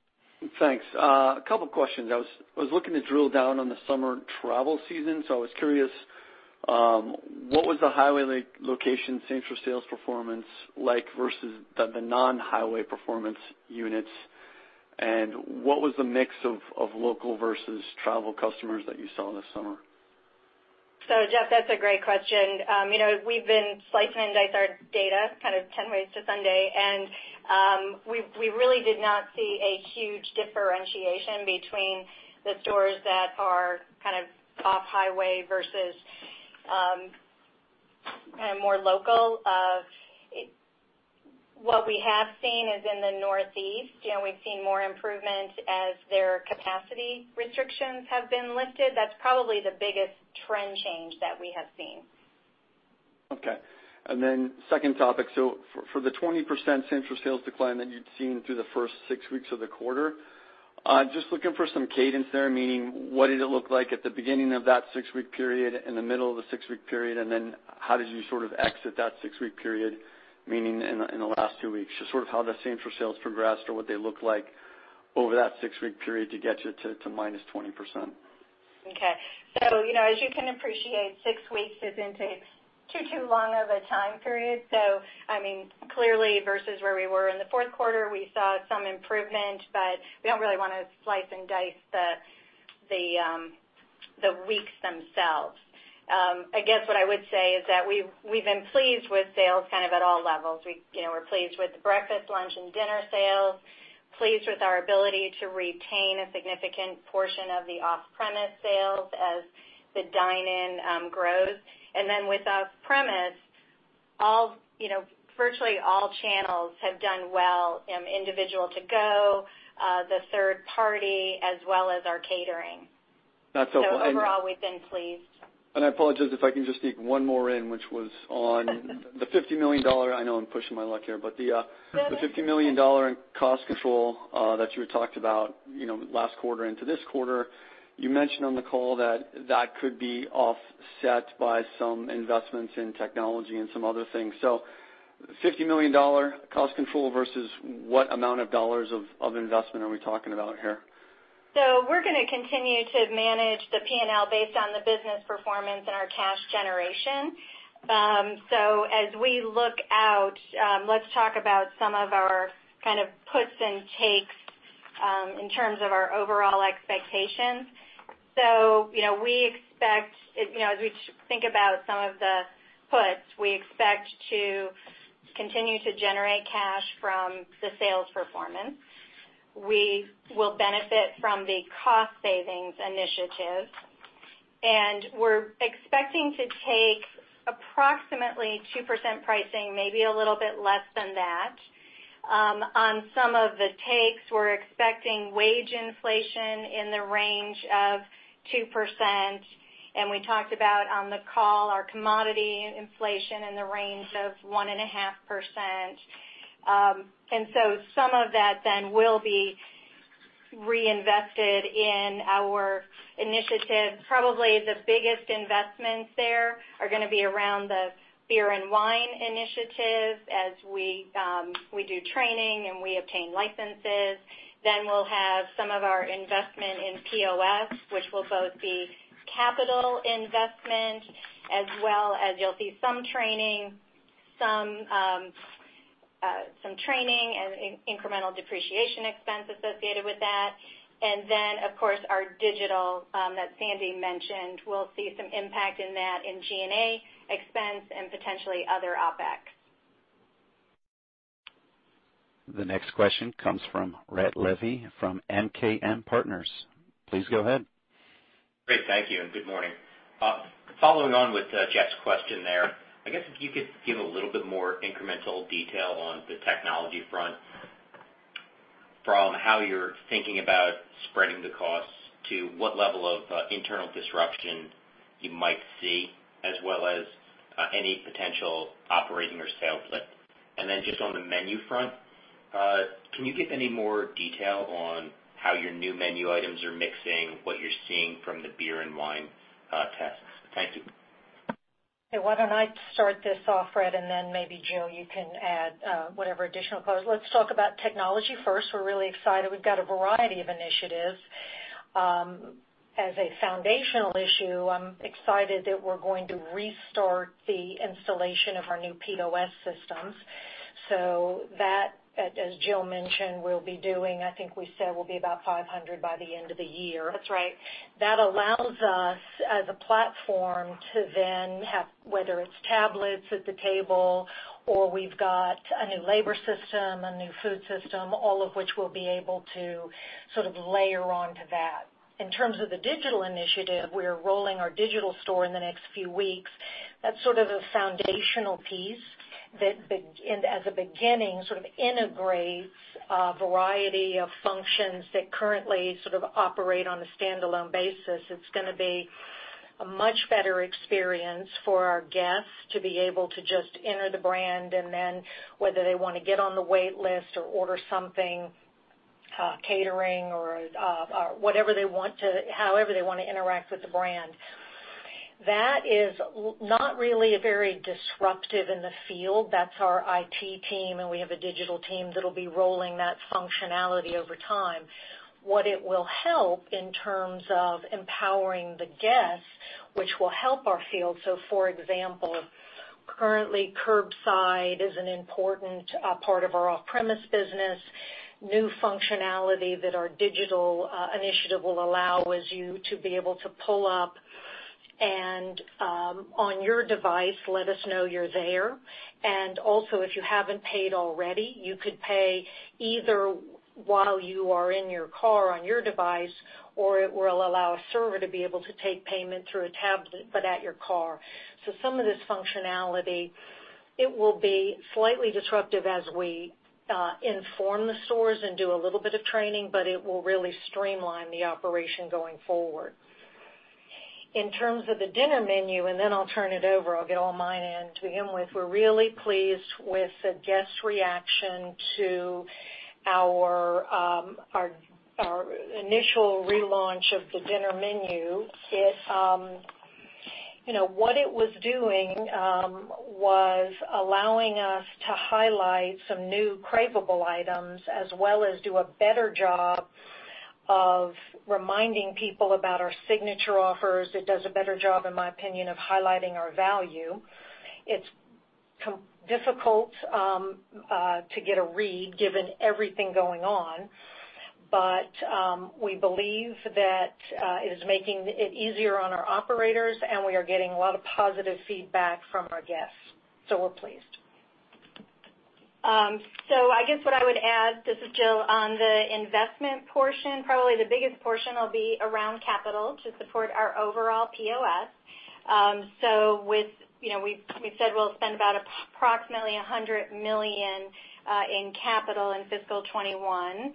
Thanks. A couple of questions. I was looking to drill down on the summer travel season, so I was curious: What was the highway location same-store sales performance like versus the non-highway performance units, and what was the mix of local versus travel customers that you saw this summer? Jeff, that's a great question. We've been slicing and dicing our data kind of 10 ways to Sunday, and we really did not see a huge differentiation between the stores that are kind of off-highway versus more local. What we have seen is in the Northeast. We've seen more improvement as their capacity restrictions have been lifted. That's probably the biggest trend change that we have seen. Okay. Second topic, for the 20% same-store sales decline that you'd seen through the first six weeks of the quarter, looking for some cadence there, meaning what did it look like at the beginning of that six-week period, in the middle of the six-week period, and then how did you exit that six-week period, meaning in the last two weeks? How the same-store sales progressed or what they looked like over that six-week period to get you to minus 20%. As you can appreciate, six weeks isn't too long of a time period. Clearly, versus where we were in the fourth quarter, we saw some improvement, but we don't really want to slice and dice the weeks themselves. I guess what I would say is that we've been pleased with sales at all levels. We're pleased with breakfast, lunch, and dinner sales, pleased with our ability to retain a significant portion of the off-premise sales as the dine-in grows. With off-premise, virtually all channels have done well, individual to-go, the third-party, as well as our catering. That's helpful. Overall, we've been pleased. I apologize if I can just sneak one more in, which was the $50 million. I know I'm pushing my luck here, the $50 million in cost control that you had talked about last quarter into this quarter, you mentioned on the call that that could be offset by some investments in technology and some other things. $50 million cost control versus what amount of dollars of investment are we talking about here? We're going to continue to manage the P&L based on the business performance and our cash generation. As we look out, let's talk about some of our puts and takes in terms of our overall expectations. As we think about some of the puts, we expect to continue to generate cash from the sales performance. We will benefit from the Cost Savings Initiative, and we're expecting to take approximately 2% pricing, maybe a little bit less than that. On some of the takes, we're expecting wage inflation in the range of 2%, and we talked about on the call our commodity inflation in the range of 1.5%. Some of that then will be reinvested in our initiative. Probably the biggest investments there are going to be around the Beer and Wine Initiative as we do training and we obtain licenses. We'll have some of our investment in POS, which will both be capital investment as well as you'll see some training and incremental depreciation expense associated with that. Of course, our digital that Sandy mentioned, we'll see some impact in that in G&A expense and potentially other OpEx. The next question comes from Brett Levy from MKM Partners. Please go ahead. Great. Thank you, and good morning. Following on with Jeff's question there, I guess if you could give a little bit more incremental detail on the technology front, from how you're thinking about spreading the costs to what level of internal disruption you might see, as well as any potential operating or sales lift. Just on the menu front, can you give any more details on how your new menu items are mixing, what you're seeing from the beer and wine tests? Thank you. Okay. Why don't I start this off, Brett, and then maybe Jill, you can add whatever additional color. Let's talk about technology first. We're really excited. We've got a variety of initiatives. As a foundational issue, I'm excited that we're going to restart the installation of our new POS systems. As Jill mentioned, we'll be doing, I think we said we'll be about 500 by the end of the year. That's right. That allows us as a platform to then have, whether it's tablets at the table or we've got a new labor system, a new food system, all of which we'll be able to sort of layer onto that. In terms of the digital initiative, we're rolling our Digital Store in the next few weeks. That's sort of a foundational piece that as a beginning, sort of integrates a variety of functions that currently operate on a standalone basis. It's going to be a much better experience for our guests to be able to just enter the brand and then, whether they want to get on the wait list or order something, catering or however they want to interact with the brand. That is not really very disruptive in the field. That's our IT team, and we have a digital team that'll be rolling that functionality over time. What it will help in terms of empowering the guest, which will help our field. For example, currently, curbside is an important part of our off-premise business. New functionality that our digital initiative will allow is you to be able to pull up and, on your device, let us know you're there. If you haven't paid already, you could pay either while you are in your car on your device, or it will allow a server to be able to take payment through a tablet, but at your car. Some of this functionality. It will be slightly disruptive as we inform the stores and do a little bit of training, but it will really streamline the operation going forward. In terms of the dinner menu, and then I'll turn it over, I'll get all mine in to begin with. We're really pleased with the guest reaction to our initial relaunch of the dinner menu. What it was doing was allowing us to highlight some new craveable items as well as do a better job of reminding people about our signature offers. It does a better job, in my opinion, of highlighting our value. It's difficult to get a read given everything going on. We believe that it is making it easier on our operators, and we are getting a lot of positive feedback from our guests, so we're pleased. I guess what I would add, this is Jill, on the investment portion, probably the biggest portion will be around capital to support our overall POS. We said we'll spend approximately $100 million in capital in fiscal 2021.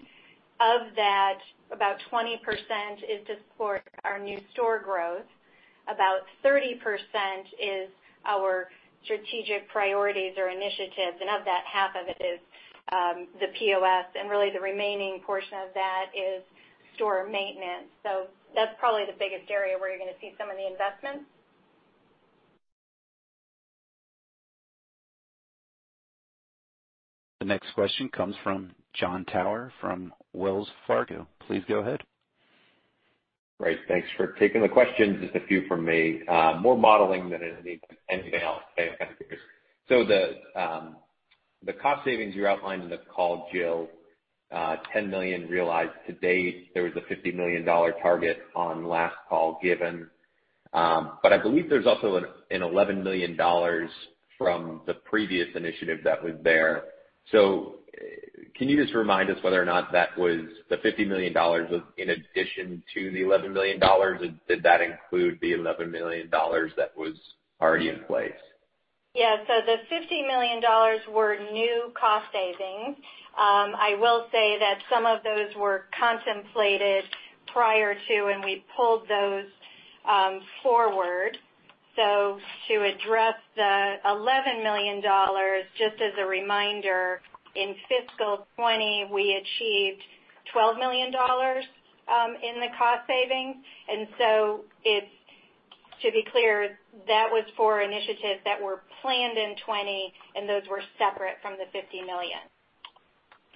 Of that, about 20% is to support our new store growth. About 30% is our strategic priorities or initiatives, and of that, half of it is the POS, and really, the remaining portion of that is store maintenance. That's probably the biggest area where you're going to see some of the investments. The next question comes from Jon Tower from Wells Fargo. Please go ahead. Great. Thanks for taking the questions. Just a few from me. More modeling than anything else. The cost savings you outlined in the call, Jill, $10 million realized to date, there was a $50 million target on last call given. I believe there's also an $11 million from the previous initiative that was there. Can you just remind us whether or not that was the $50 million was in addition to the $11 million? Did that include the $11 million that was already in place? The $50 million were new cost savings. I will say that some of those were contemplated prior to, and we pulled those forward. To address the $11 million, just as a reminder, in fiscal 2020, we achieved $12 million in cost savings. To be clear, that was for initiatives that were planned in 2020, and those were separate from the $50 million.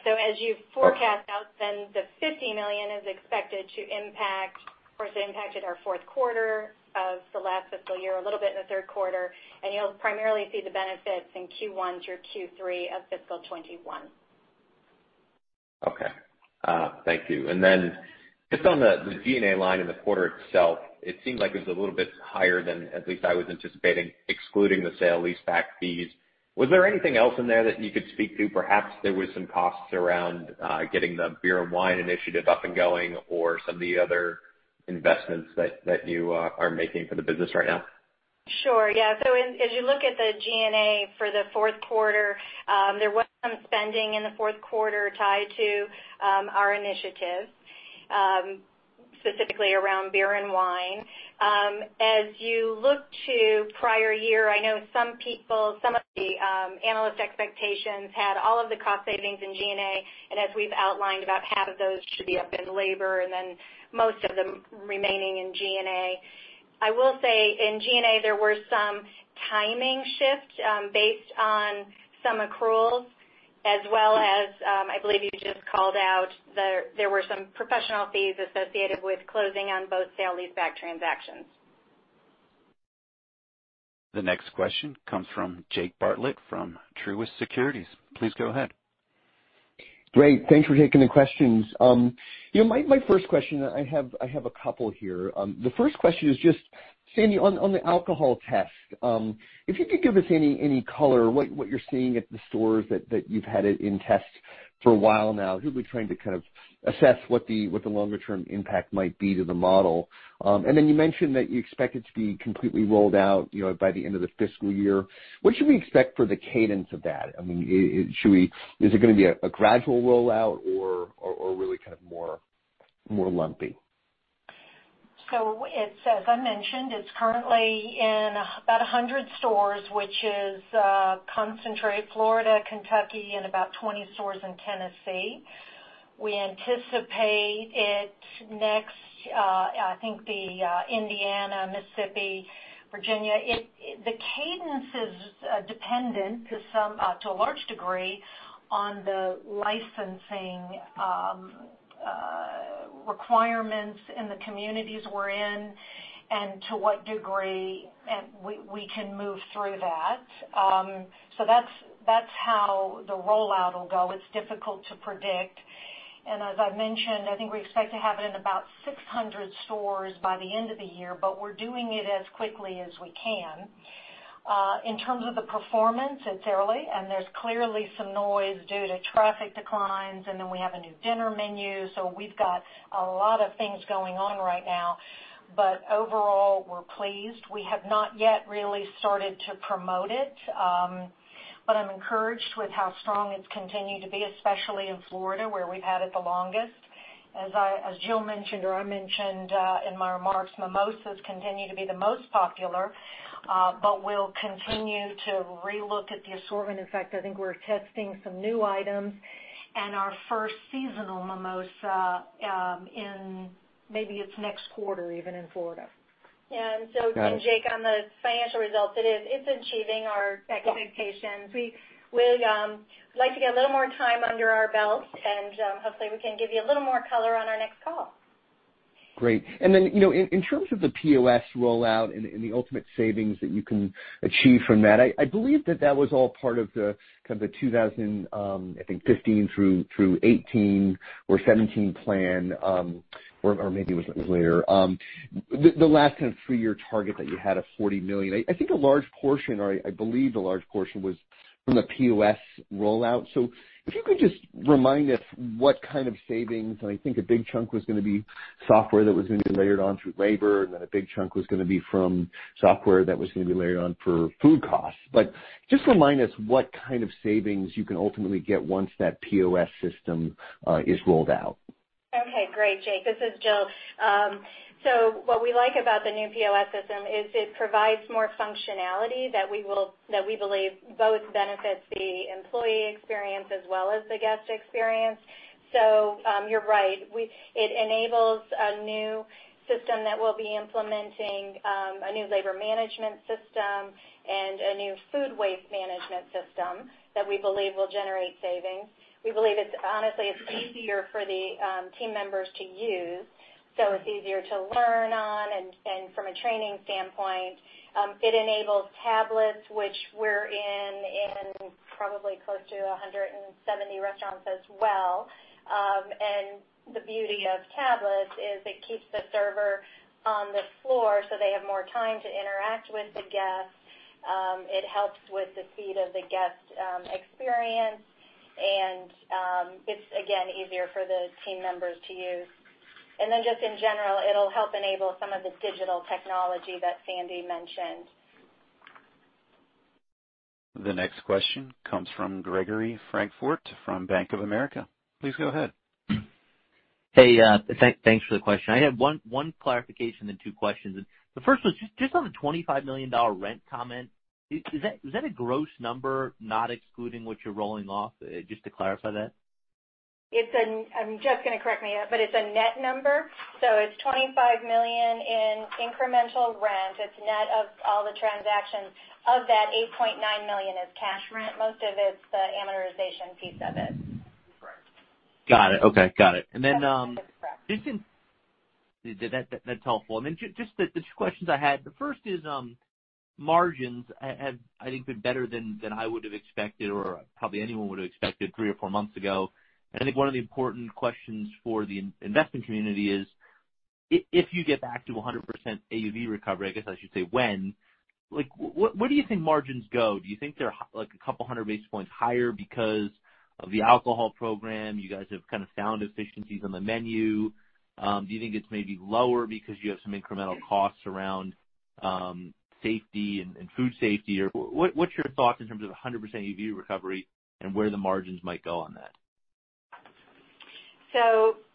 As you forecast out, the $50 million is expected to impact, of course, it impacted our fourth quarter of the last fiscal year, a little bit in the third quarter, and you'll primarily see the benefits in Q1 through Q3 of fiscal 2021. Okay. Thank you. Then just on the G&A line in the quarter itself, it seems like it was a little bit higher than at least I was anticipating, excluding the sale-leaseback fees. Was there anything else in there that you could speak to? Perhaps there was some costs around getting the beer and wine initiative up and going or some of the other investments that you are making for the business right now. Sure. Yeah. As you look at the G&A for the fourth quarter, there was some spending in the fourth quarter tied to our initiative, specifically around beer and wine. As you look to prior year, I know some of the analyst expectations had all of the cost savings in G&A, and as we've outlined, about half of those should be up in labor, and then most of them remaining in G&A. I will say in G&A, there were some timing shifts based on some accruals as well as, I believe you just called out, there were some professional fees associated with closing on both sale-leaseback transactions. The next question comes from Jake Bartlett from Truist Securities. Please go ahead. Great. Thanks for taking the questions. My first question, I have a couple here. The first question is just, Sandy, on the alcohol test, if you could give us any color, what you're seeing at the stores that you've had it in test for a while now. Who are we trying to assess what the longer term impact might be to the model? Then you mentioned that you expect it to be completely rolled out by the end of the fiscal year. What should we expect for the cadence of that? Is it going to be a gradual rollout or really more lumpy? As I mentioned, it's currently in 100 stores, which is concentrated Florida, Kentucky, and 20 stores in Tennessee. We anticipate it next, I think the Indiana, Mississippi, Virginia. The cadence is dependent to a large degree on the licensing requirements in the communities we're in and to what degree we can move through that. That's how the rollout will go. It's difficult to predict. As I mentioned, I think we expect to have it in 600 stores by the end of the year, but we're doing it as quickly as we can. In terms of the performance, it's early, and there's clearly some noise due to traffic declines, and then we have a new dinner menu. We've got a lot of things going on right now. Overall, we're pleased. We have not yet really started to promote it. I'm encouraged with how strong it's continued to be, especially in Florida, where we've had it the longest. As Jill mentioned, or I mentioned in my remarks, mimosas continue to be the most popular, but we'll continue to re-look at the assortment. In fact, I think we're testing some new items and our first seasonal Mimosa in maybe it's next quarter, even in Florida. Jake, on the financial results, it's achieving our expectations. We'd like to get a little more time under our belt, and hopefully, we can give you a little more color on our next call. Great. In terms of the POS rollout and the ultimate savings that you can achieve from that, I believe that that was all part of the 2015 through 2018 or 2017 plan, or maybe it was later. The last three-year target that you had of $40 million. I think a large portion, or I believe a large portion, was from the POS rollout. If you could just remind us what kind of savings, and I think a big chunk was going to be software that was going to be layered onto labor, and then a big chunk was going to be from software that was going to be layered on for food costs. Just remind us what kind of savings you can ultimately get once that POS system is rolled out. Okay, great, Jake. This is Jill. What we like about the new POS system is it provides more functionality that we believe both benefits the employee experience as well as the guest experience. You're right. It enables a new system that we'll be implementing, a new labor management system and a new food waste management system that we believe will generate savings. We believe it's honestly easier for the team members to use. It's easier to learn on and from a training standpoint. It enables tablets, which we're in probably close to 170 restaurants as well. The beauty of tablets is it keeps the server on the floor so they have more time to interact with the guests. It helps with the speed of the guest experience, and it's, again, easier for the team members to use. Just in general, it'll help enable some of the digital technology that Sandy mentioned. The next question comes from Gregory Francfort from Bank of America. Please go ahead. Hey, thanks for the question. I have one clarification then two questions. The first one, just on the $25 million rent comment, is that a gross number, not excluding what you're rolling off? Just to clarify that. I'm just going to correct me, it's a net number, it's $25 million in incremental rent. It's net of all the transactions. Of that, $8.9 million is cash rent. Most of it's the amortization piece of it. Okay. Got it. That's helpful. Then just the two questions I had. The first is margins have, I think, been better than I would have expected or probably anyone would have expected three or four months ago. I think one of the important questions for the investment community is if you get back to 100% AUV recovery, I guess I should say when, where do you think margins go? Do you think they're a couple hundred basis points higher because of the alcohol program? You guys have kind of found efficiencies on the menu. Do you think it's maybe lower because you have some incremental costs around safety and food safety, or what's your thoughts in terms of 100% AUV recovery and where the margins might go on that?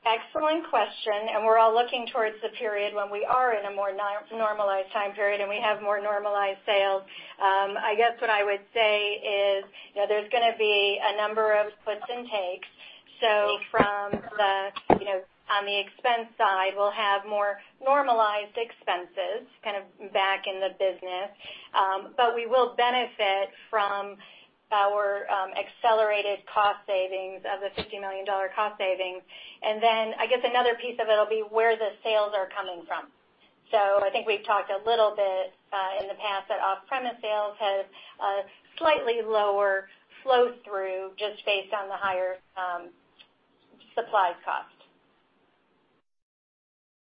Excellent question, and we're all looking towards the period when we are in a more normalized time period, and we have more normalized sales. I guess what I would say is there's going to be a number of puts and takes. From on the expense side, we'll have more normalized expenses kind of back in the business. We will benefit from our accelerated cost savings of the $50 million cost savings. I guess another piece of it'll be where the sales are coming from. I think we've talked a little bit in the past that off-premise sales has a slightly lower flow through just based on the higher supply cost.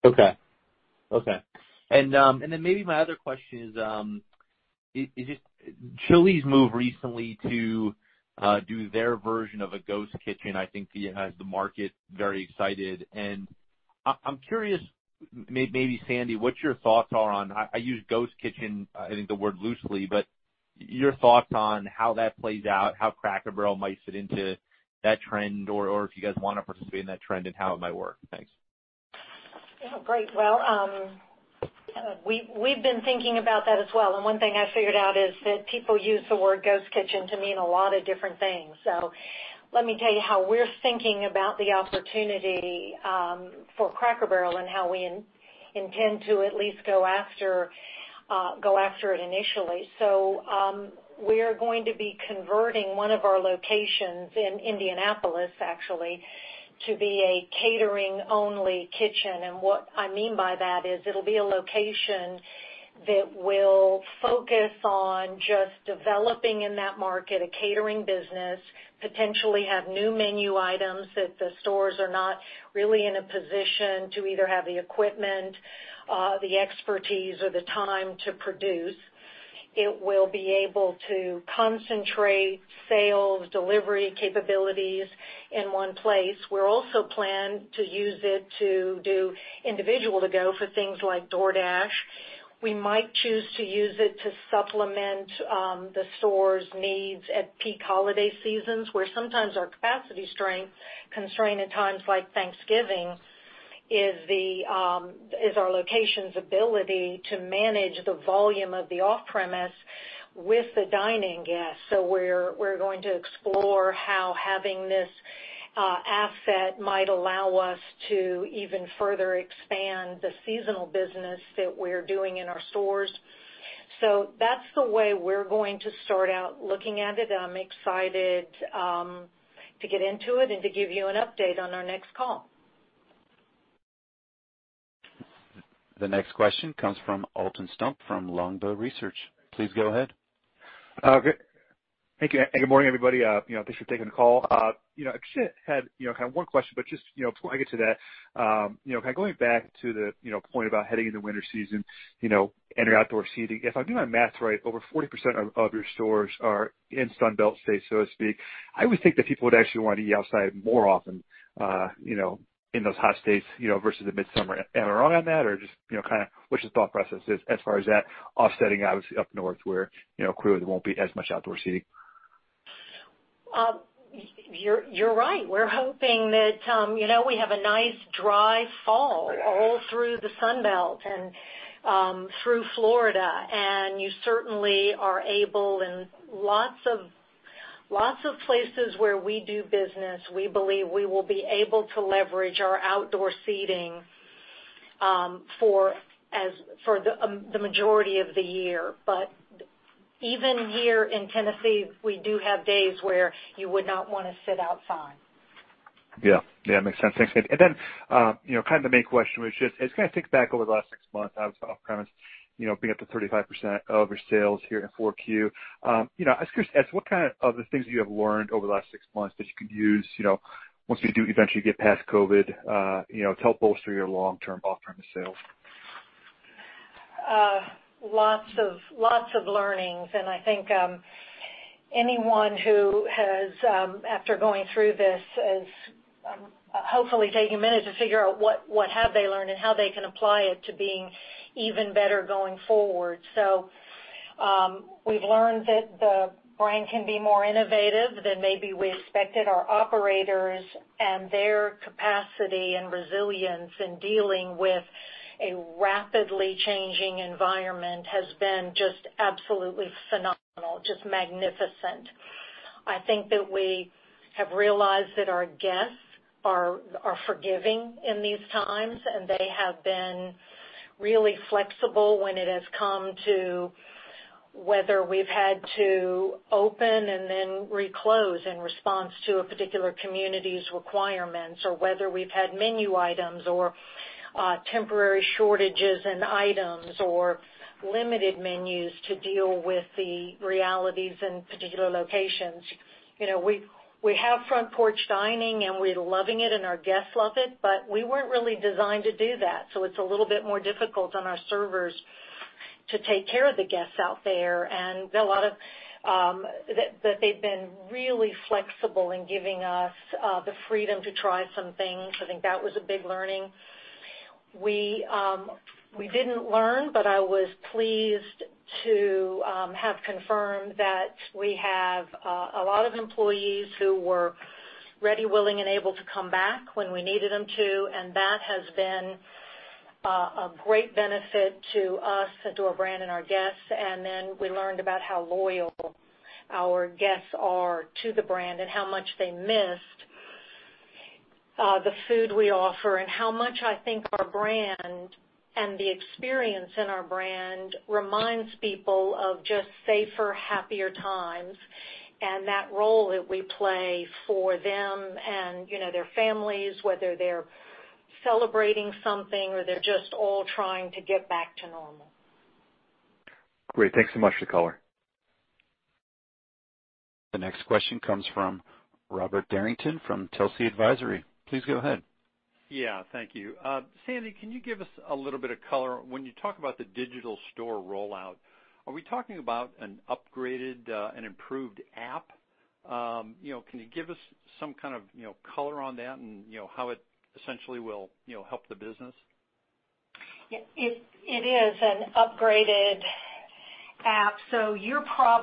Okay. Maybe my other question is, just Chili's move recently to do their version of a ghost kitchen, I think has the market very excited. I'm curious, maybe Sandy, what your thoughts are on, I use ghost kitchen, I think the word loosely, but your thoughts on how that plays out, how Cracker Barrel might fit into that trend or if you guys want to participate in that trend and how it might work. Thanks. Yeah. Great. Well, we've been thinking about that as well. One thing I figured out is that people use the word ghost kitchen to mean a lot of different things. Let me tell you how we're thinking about the opportunity for Cracker Barrel and how we intend to at least go after it initially. We are going to be converting one of our locations in Indianapolis, actually, to be a catering-only kitchen. What I mean by that is it'll be a location that will focus on just developing in that market a catering business, potentially have new menu items that the stores are not really in a position to either have the equipment, the expertise, or the time to produce. It will be able to concentrate sales delivery capabilities in one place. We also plan to use it to do individual to-go for things like DoorDash. We might choose to use it to supplement the store's needs at peak holiday seasons, where sometimes our capacity constraint at times like Thanksgiving, is our location's ability to manage the volume of the off-premise with the dining guests. We're going to explore how having this asset might allow us to even further expand the seasonal business that we're doing in our stores. That's the way we're going to start out looking at it. I'm excited to get into it and to give you an update on our next call. The next question comes from Alton Stump from Longbow Research. Please go ahead. Okay. Thank you. Good morning, everybody. Thanks for taking the call. Actually had one question, but just plugging to that. Going back to the point about heading into winter season, indoor, outdoor seating. If I do my math right, over 40% of your stores are in Sun Belt states, so to speak. I always think that people would actually want to eat outside more often in those hot states versus the midsummer. Am I wrong on that or just what's your thought process as far as that offsetting, obviously up north where clearly there won't be as much outdoor seating? You're right. We're hoping that we have a nice dry fall all through the Sun Belt and through Florida, and you certainly are able, and lots of places where we do business, we believe we will be able to leverage our outdoor seating for the majority of the year. Even here in Tennessee, we do have days where you would not want to sit outside. Yeah. Makes sense. Thanks. Kind of the main question was just as you kind of think back over the last six months, obviously off-premise, being up to 35% of your sales here in 4Q. I was curious as to what kind of other things you have learned over the last six months that you could use, once we do eventually get past COVID, to help bolster your long-term off-premise sales. Lots of learning. I think anyone who has, after going through this, is hopefully taking a minute to figure out what have they learned and how they can apply it to being even better going forward. We've learned that the brand can be more innovative than maybe we expected. Our operators and their capacity and resilience in dealing with a rapidly changing environment has been just absolutely phenomenal, just magnificent. I think that we have realized that our guests are forgiving in these times, and they have been really flexible when it comes to whether we've had to open and then re-close in response to a particular community's requirements, or whether we've had menu items or temporary shortages in items or limited menus to deal with the realities in particular locations. We have front porch dining and we're loving it and our guests love it, but we weren't really designed to do that. It's a little bit more difficult on our servers to take care of the guests out there. A lot of that they've been really flexible in giving us the freedom to try some things. I think that was a big learning. We didn't learn, but I was pleased to have confirmed that we have a lot of employees who were ready, willing, and able to come back when we needed them to, and that has been a great benefit to us and to our brand and our guests. We learned about how loyal our guests are to the brand, and how much they missed the food we offer, and how much I think our brand and the experience in our brand reminds people of just safer, happier times, and that role that we play for them and their families, whether they're celebrating something or they're just all trying to get back to normal. Great. Thanks so much for the color. The next question comes from Robert Derrington from Telsey Advisory. Please go ahead. Yeah. Thank you. Sandy, can you give us a little bit of color when you talk about the Digital Store rollout? Are we talking about an upgraded, an improved app? Can you give us some kind of color on that and how it essentially will help the business? Yeah. It is an upgraded app. It's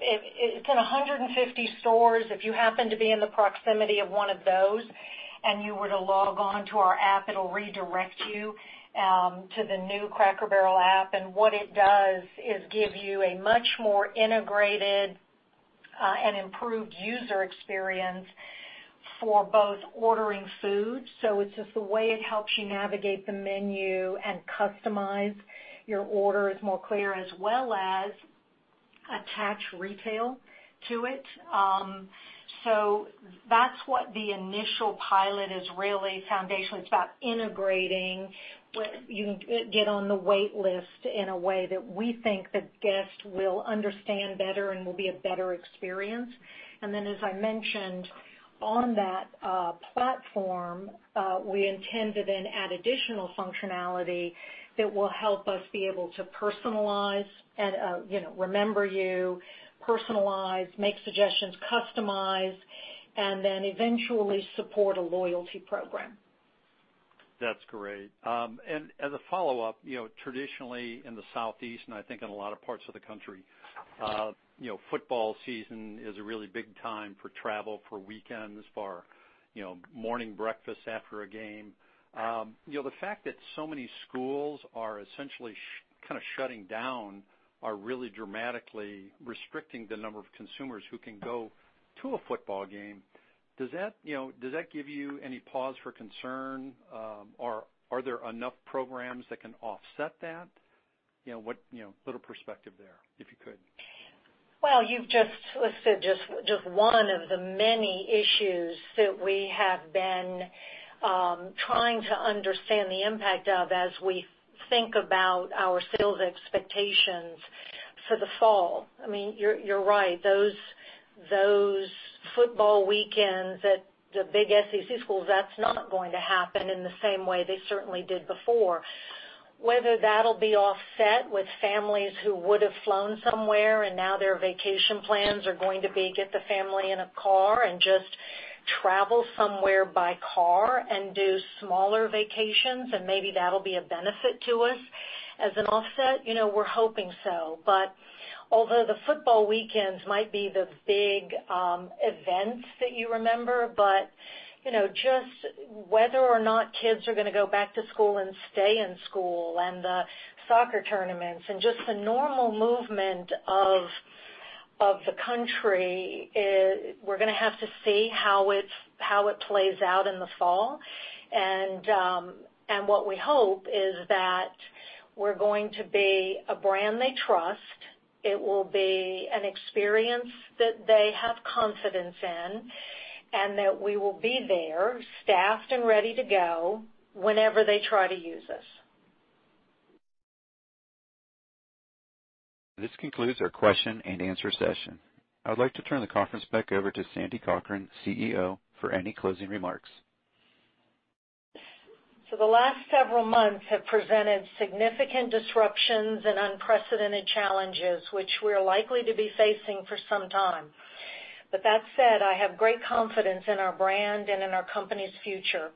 in 150 stores. If you happen to be in the proximity of one of those and you were to log on to our app, it'll redirect you to the new Cracker Barrel app. What it does is give you a much more integrated and improved user experience for both ordering food, so it's just the way it helps you navigate the menu and customize your order is more clear, as well as attach retail to it. That's what the initial pilot is really foundational. It's about integrating; you can get on the wait list in a way that we think that guests will understand better and will be a better experience. As I mentioned, on that platform, we intend to then add additional functionality that will help us be able to personalize and remember you, personalize, make suggestions, customize, and then eventually support a loyalty program. That's great. As a follow-up, traditionally in the Southeast, and I think in a lot of parts of the country, football season is a really big time for travel for weekends, for morning breakfast after a game. The fact that so many schools are essentially kind of shutting down are really dramatically restricting the number of consumers who can go to a football game. Does that give you any pause for concern? Are there enough programs that can offset that? A little perspective there, if you could. Well, you've just listed just one of the many issues that we have been trying to understand the impact of as we think about our sales expectations for the fall. You're right, those football weekends at the big SEC schools, that's not going to happen in the same way they certainly did before. Whether that'll be offset with families who would have flown somewhere and now their vacation plans are going to be get the family in a car and just travel somewhere by car and do smaller vacations, and maybe that'll be a benefit to us as an offset, we're hoping so. Although the football weekends might be the big events that you remember, but just whether or not kids are going to go back to school and stay in school, and the soccer tournaments, and just the normal movement of the country, we're going to have to see how it plays out in the fall. What we hope is that we're going to be a brand they trust, it will be an experience that they have confidence in, and that we will be there, staffed and ready to go, whenever they try to use us. This concludes our question-and-answer session. I would like to turn the conference back over to Sandy Cochran, CEO, for any closing remarks. The last several months have presented significant disruptions and unprecedented challenges, which we are likely to be facing for some time. That said, I have great confidence in our brand and in our company's future.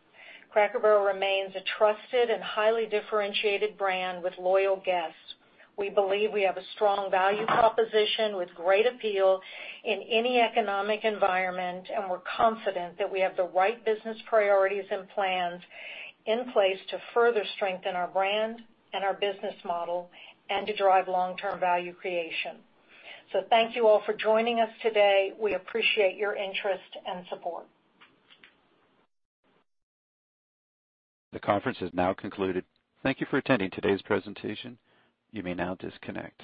Cracker Barrel remains a trusted and highly differentiated brand with loyal guests. We believe we have a strong value proposition with great appeal in any economic environment, and we're confident that we have the right business priorities and plans in place to further strengthen our brand and our business model and to drive long-term value creation. Thank you all for joining us today. We appreciate your interest and support. The conference has now concluded. Thank you for attending today's presentation. You may now disconnect.